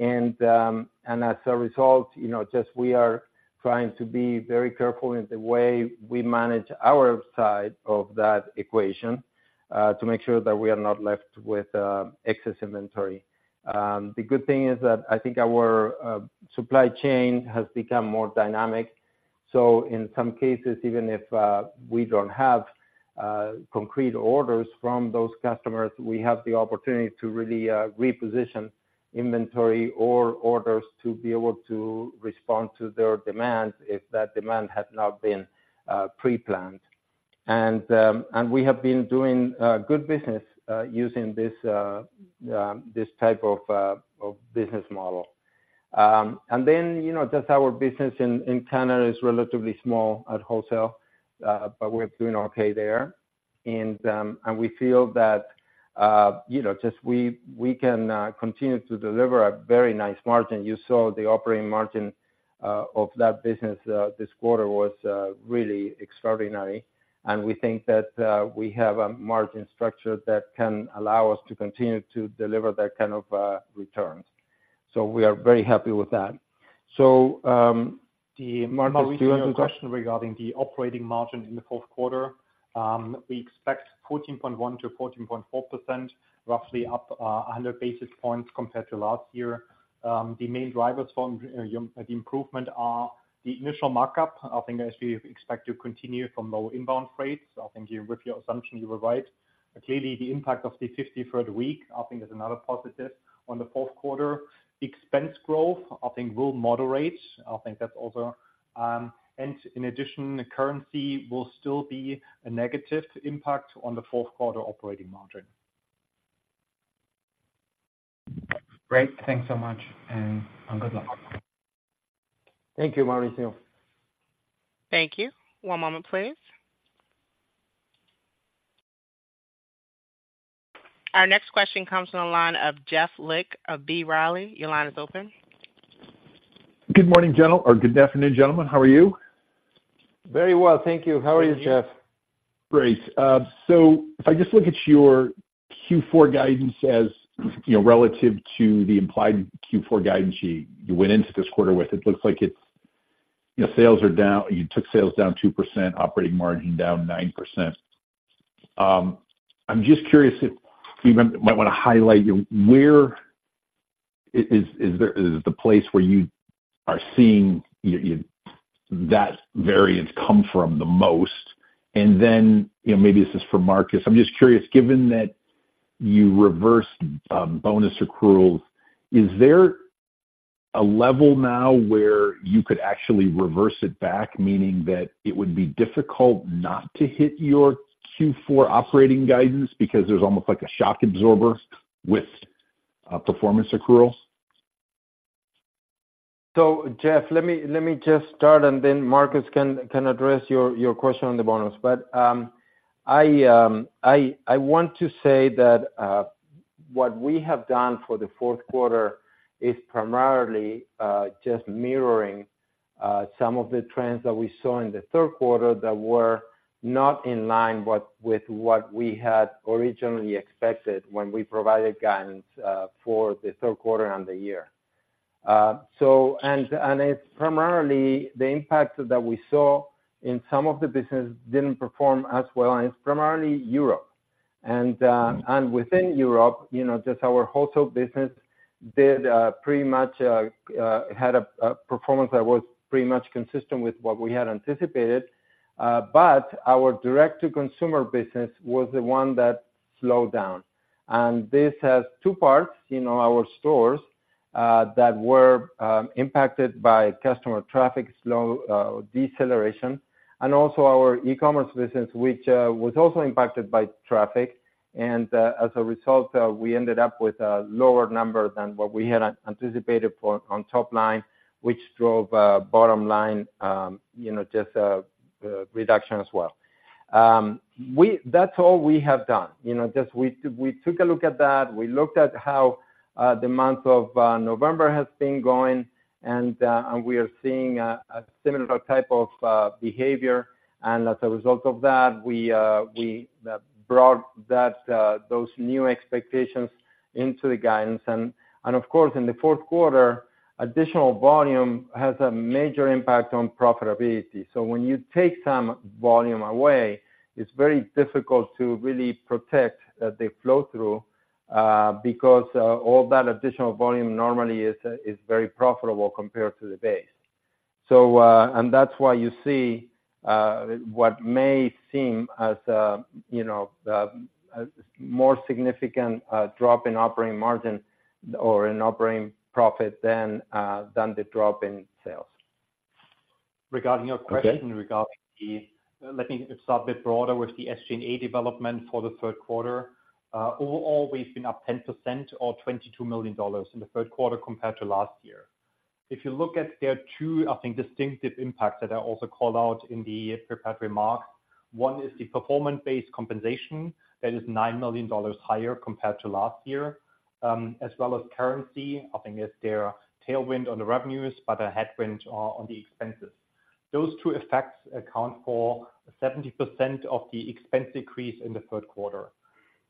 [SPEAKER 3] As a result, you know, just we are trying to be very careful in the way we manage our side of that equation, to make sure that we are not left with excess inventory. The good thing is that I think our supply chain has become more dynamic. So in some cases, even if we don't have concrete orders from those customers, we have the opportunity to really reposition inventory or orders to be able to respond to their demands, if that demand has not been pre-planned. And we have been doing good business using this type of business model. And then, you know, just our business in Canada is relatively small at wholesale, but we're doing okay there. We feel that, you know, just we can continue to deliver a very nice margin. You saw the operating margin of that business this quarter was really extraordinary. And we think that we have a margin structure that can allow us to continue to deliver that kind of returns. So we are very happy with that. So, the margin-...
[SPEAKER 4] Mauricio, a question regarding the operating margin in the fourth quarter. We expect 14.1%-14.4%, roughly up a hundred basis points compared to last year. The main drivers from the improvement are the initial markup, I think, as we expect to continue from low inbound rates. I think you, with your assumption, you were right. Clearly, the impact of the fifty-third week, I think, is another positive on the fourth quarter. Expense growth, I think, will moderate. I think that's also... And in addition, the currency will still be a negative impact on the fourth quarter operating margin.
[SPEAKER 7] Great. Thanks so much, and good luck.
[SPEAKER 4] Thank you, Mauricio.
[SPEAKER 1] Thank you. One moment, please. Our next question comes from the line of Jeff Lick of B. Riley. Your line is open.
[SPEAKER 8] Good morning, or good afternoon, gentlemen. How are you?
[SPEAKER 3] Very well, thank you. How are you, Jeff?
[SPEAKER 8] Great. So if I just look at your Q4 guidance, as you know, relative to the implied Q4 guidance, you went into this quarter with, it looks like it's, you know, sales are down, you took sales down 2%, operating margin down 9%. I'm just curious if you might want to highlight where is there, is the place where you are seeing your that variance come from the most? And then, you know, maybe this is for Markus. I'm just curious, given that you reversed bonus accruals, is there a level now where you could actually reverse it back, meaning that it would be difficult not to hit your Q4 operating guidance because there's almost like a shock absorber with performance accruals?
[SPEAKER 3] So Jeff, let me just start, and then Markus can address your question on the bonus. But I want to say that what we have done for the fourth quarter is primarily just mirroring some of the trends that we saw in the third quarter that were not in line with what we had originally expected when we provided guidance for the third quarter and the year. So and it's primarily the impact that we saw in some of the business didn't perform as well, and it's primarily Europe. And within Europe, you know, just our wholesale business did pretty much had a performance that was pretty much consistent with what we had anticipated. But our direct-to-consumer business was the one that slowed down. This has two parts in all our stores that were impacted by customer traffic, slow deceleration, and also our e-commerce business, which was also impacted by traffic. And as a result, we ended up with a lower number than what we had anticipated for on top line, which drove bottom line, you know, just reduction as well. That's all we have done. You know, just we took a look at that. We looked at how the month of November has been going, and we are seeing a similar type of behavior. And as a result of that, we brought those new expectations into the guidance. And of course, in the fourth quarter, additional volume has a major impact on profitability. So when you take some volume away, it's very difficult to really protect the flow-through because all that additional volume normally is very profitable compared to the base. And that's why you see what may seem as a, you know, more significant drop in operating margin or in operating profit than the drop in sales.
[SPEAKER 4] Regarding your question.
[SPEAKER 3] Okay...
[SPEAKER 4] regarding the, let me start a bit broader with the SG&A development for the third quarter. Overall, we've been up 10% or $22 million in the third quarter compared to last year. If you look at, there are two, I think, distinctive impacts that I also called out in the prepared remarks. One is the performance-based compensation that is $9 million higher compared to last year, as well as currency, I think is their tailwind on the revenues, but a headwind on the expenses. Those two effects account for 70% of the expense decrease in the third quarter.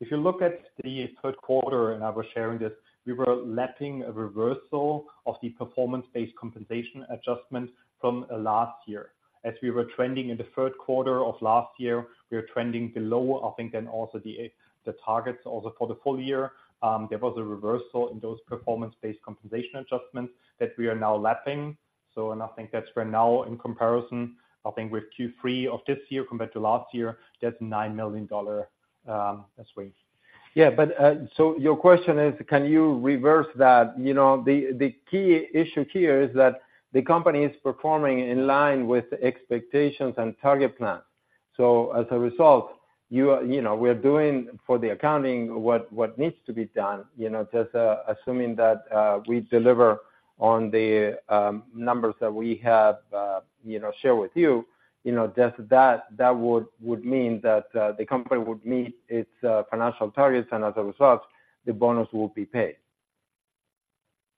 [SPEAKER 4] If you look at the third quarter, and I was sharing this, we were lapping a reversal of the performance-based compensation adjustment from last year. As we were trending in the third quarter of last year, we were trending below, I think, then also the targets also for the full year. There was a reversal in those performance-based compensation adjustments that we are now lapping. So and I think that's where now in comparison, I think with Q3 of this year compared to last year, that's $9 million as swing.
[SPEAKER 3] Yeah, but, so your question is, can you reverse that? You know, the key issue here is that the company is performing in line with expectations and target plans. So as a result, you know, we're doing for the accounting what needs to be done. You know, just assuming that we deliver on the numbers that we have, you know, share with you, you know, just that would mean that the company would meet its financial targets, and as a result, the bonus will be paid.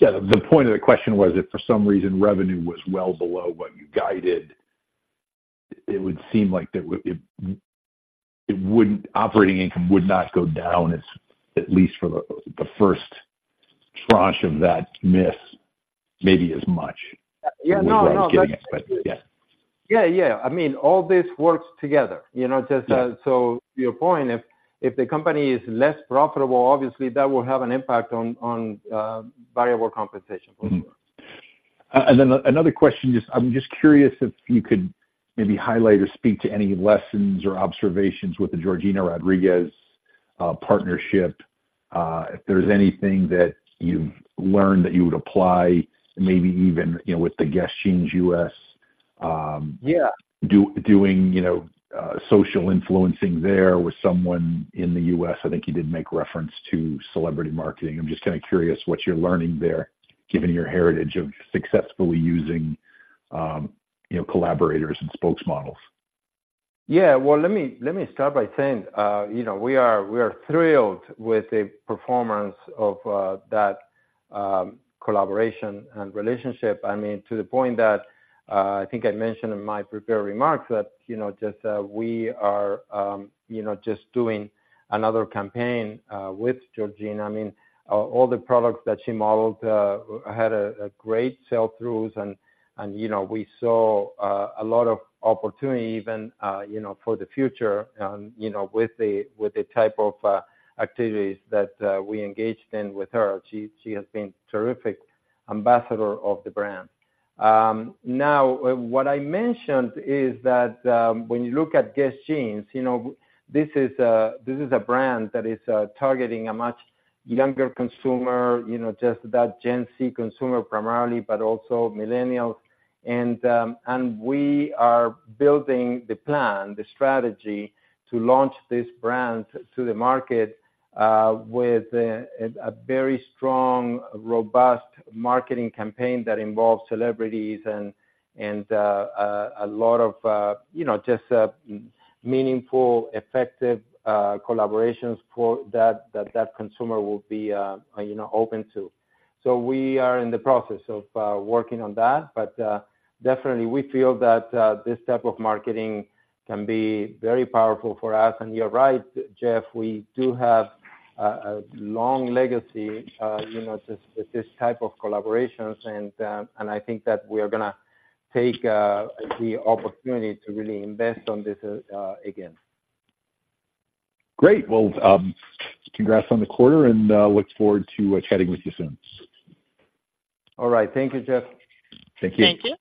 [SPEAKER 8] Yeah, the point of the question was, if for some reason revenue was well below what you guided, it would seem like there, it wouldn't, operating income would not go down as at least for the first tranche of that miss, maybe as much-
[SPEAKER 3] Yeah. No, no, that's-
[SPEAKER 8] As we were getting it, but yeah.
[SPEAKER 3] Yeah, yeah. I mean, all this works together, you know, just,
[SPEAKER 8] Yeah...
[SPEAKER 3] so your point, if the company is less profitable, obviously that will have an impact on variable compensation, for sure.
[SPEAKER 8] Mm-hmm. Another question, just I'm just curious if you could maybe highlight or speak to any lessons or observations with the Georgina Rodríguez partnership, if there's anything that you've learned that you would apply, maybe even, you know, with the Guess Jeans U.S.?
[SPEAKER 3] Yeah...
[SPEAKER 8] doing, you know, social influencing there with someone in the U.S. I think you did make reference to celebrity marketing. I'm just kind of curious what you're learning there, given your heritage of successfully using, you know, collaborators and spokesmodels.
[SPEAKER 3] Yeah. Well, let me, let me start by saying, you know, we are, we are thrilled with the performance of, that, collaboration and relationship. I mean, to the point that, I think I mentioned in my prepared remarks that, you know, just, we are, you know, just doing another campaign, with Georgina. I mean, all the products that she modeled, had a, a great sell-throughs, and, and, you know, we saw, a lot of opportunity even, you know, for the future, you know, with the, with the type of, activities that, we engaged in with her. She, she has been terrific ambassador of the brand.... Now, what I mentioned is that, when you look at Guess Jeans, you know, this is a, this is a brand that is targeting a much younger consumer, you know, just that Gen Z consumer primarily, but also Millennials. And we are building the plan, the strategy to launch this brand to the market, with a very strong, robust marketing campaign that involves celebrities and a lot of, you know, just meaningful, effective collaborations for that consumer will be, you know, open to. So we are in the process of working on that. But definitely we feel that this type of marketing can be very powerful for us. You're right, Jeff. We do have a long legacy, you know, just with this type of collaborations, and I think that we are going to take the opportunity to really invest on this, again.
[SPEAKER 8] Great! Well, congrats on the quarter, and look forward to chatting with you soon.
[SPEAKER 3] All right. Thank you, Jeff.
[SPEAKER 8] Thank you.
[SPEAKER 1] Thank you.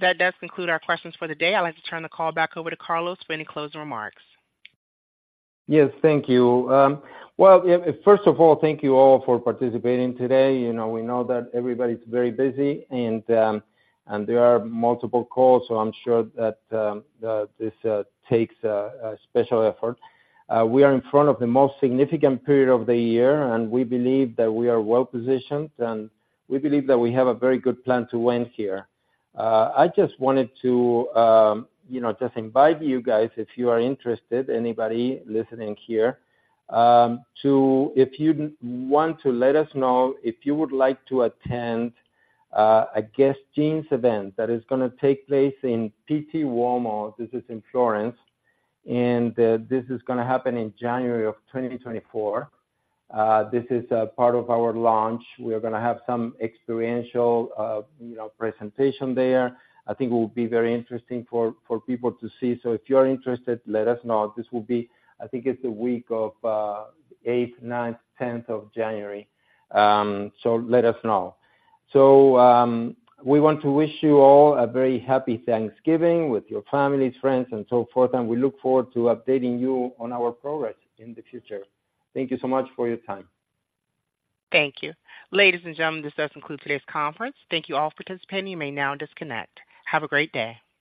[SPEAKER 1] That does conclude our questions for the day. I'd like to turn the call back over to Carlos for any closing remarks.
[SPEAKER 3] Yes, thank you. Well, yeah, first of all, thank you all for participating today. You know, we know that everybody's very busy, and, and there are multiple calls, so I'm sure that this takes a special effort. We are in front of the most significant period of the year, and we believe that we are well positioned, and we believe that we have a very good plan to win here. I just wanted to, you know, just invite you guys, if you are interested, anybody listening here, to if you want to let us know if you would like to attend a Guess Jeans event that is going to take place in Pitti Uomo. This is in Florence, and this is going to happen in January of 2024. This is a part of our launch. We are going to have some experiential, you know, presentation there. I think it will be very interesting for, for people to see. So if you're interested, let us know. This will be... I think it's the week of, eighth, ninth, tenth of January. So let us know. So, we want to wish you all a very happy Thanksgiving with your families, friends, and so forth, and we look forward to updating you on our progress in the future. Thank you so much for your time.
[SPEAKER 1] Thank you. Ladies and gentlemen, this does conclude today's conference. Thank you all for participating. You may now disconnect. Have a great day.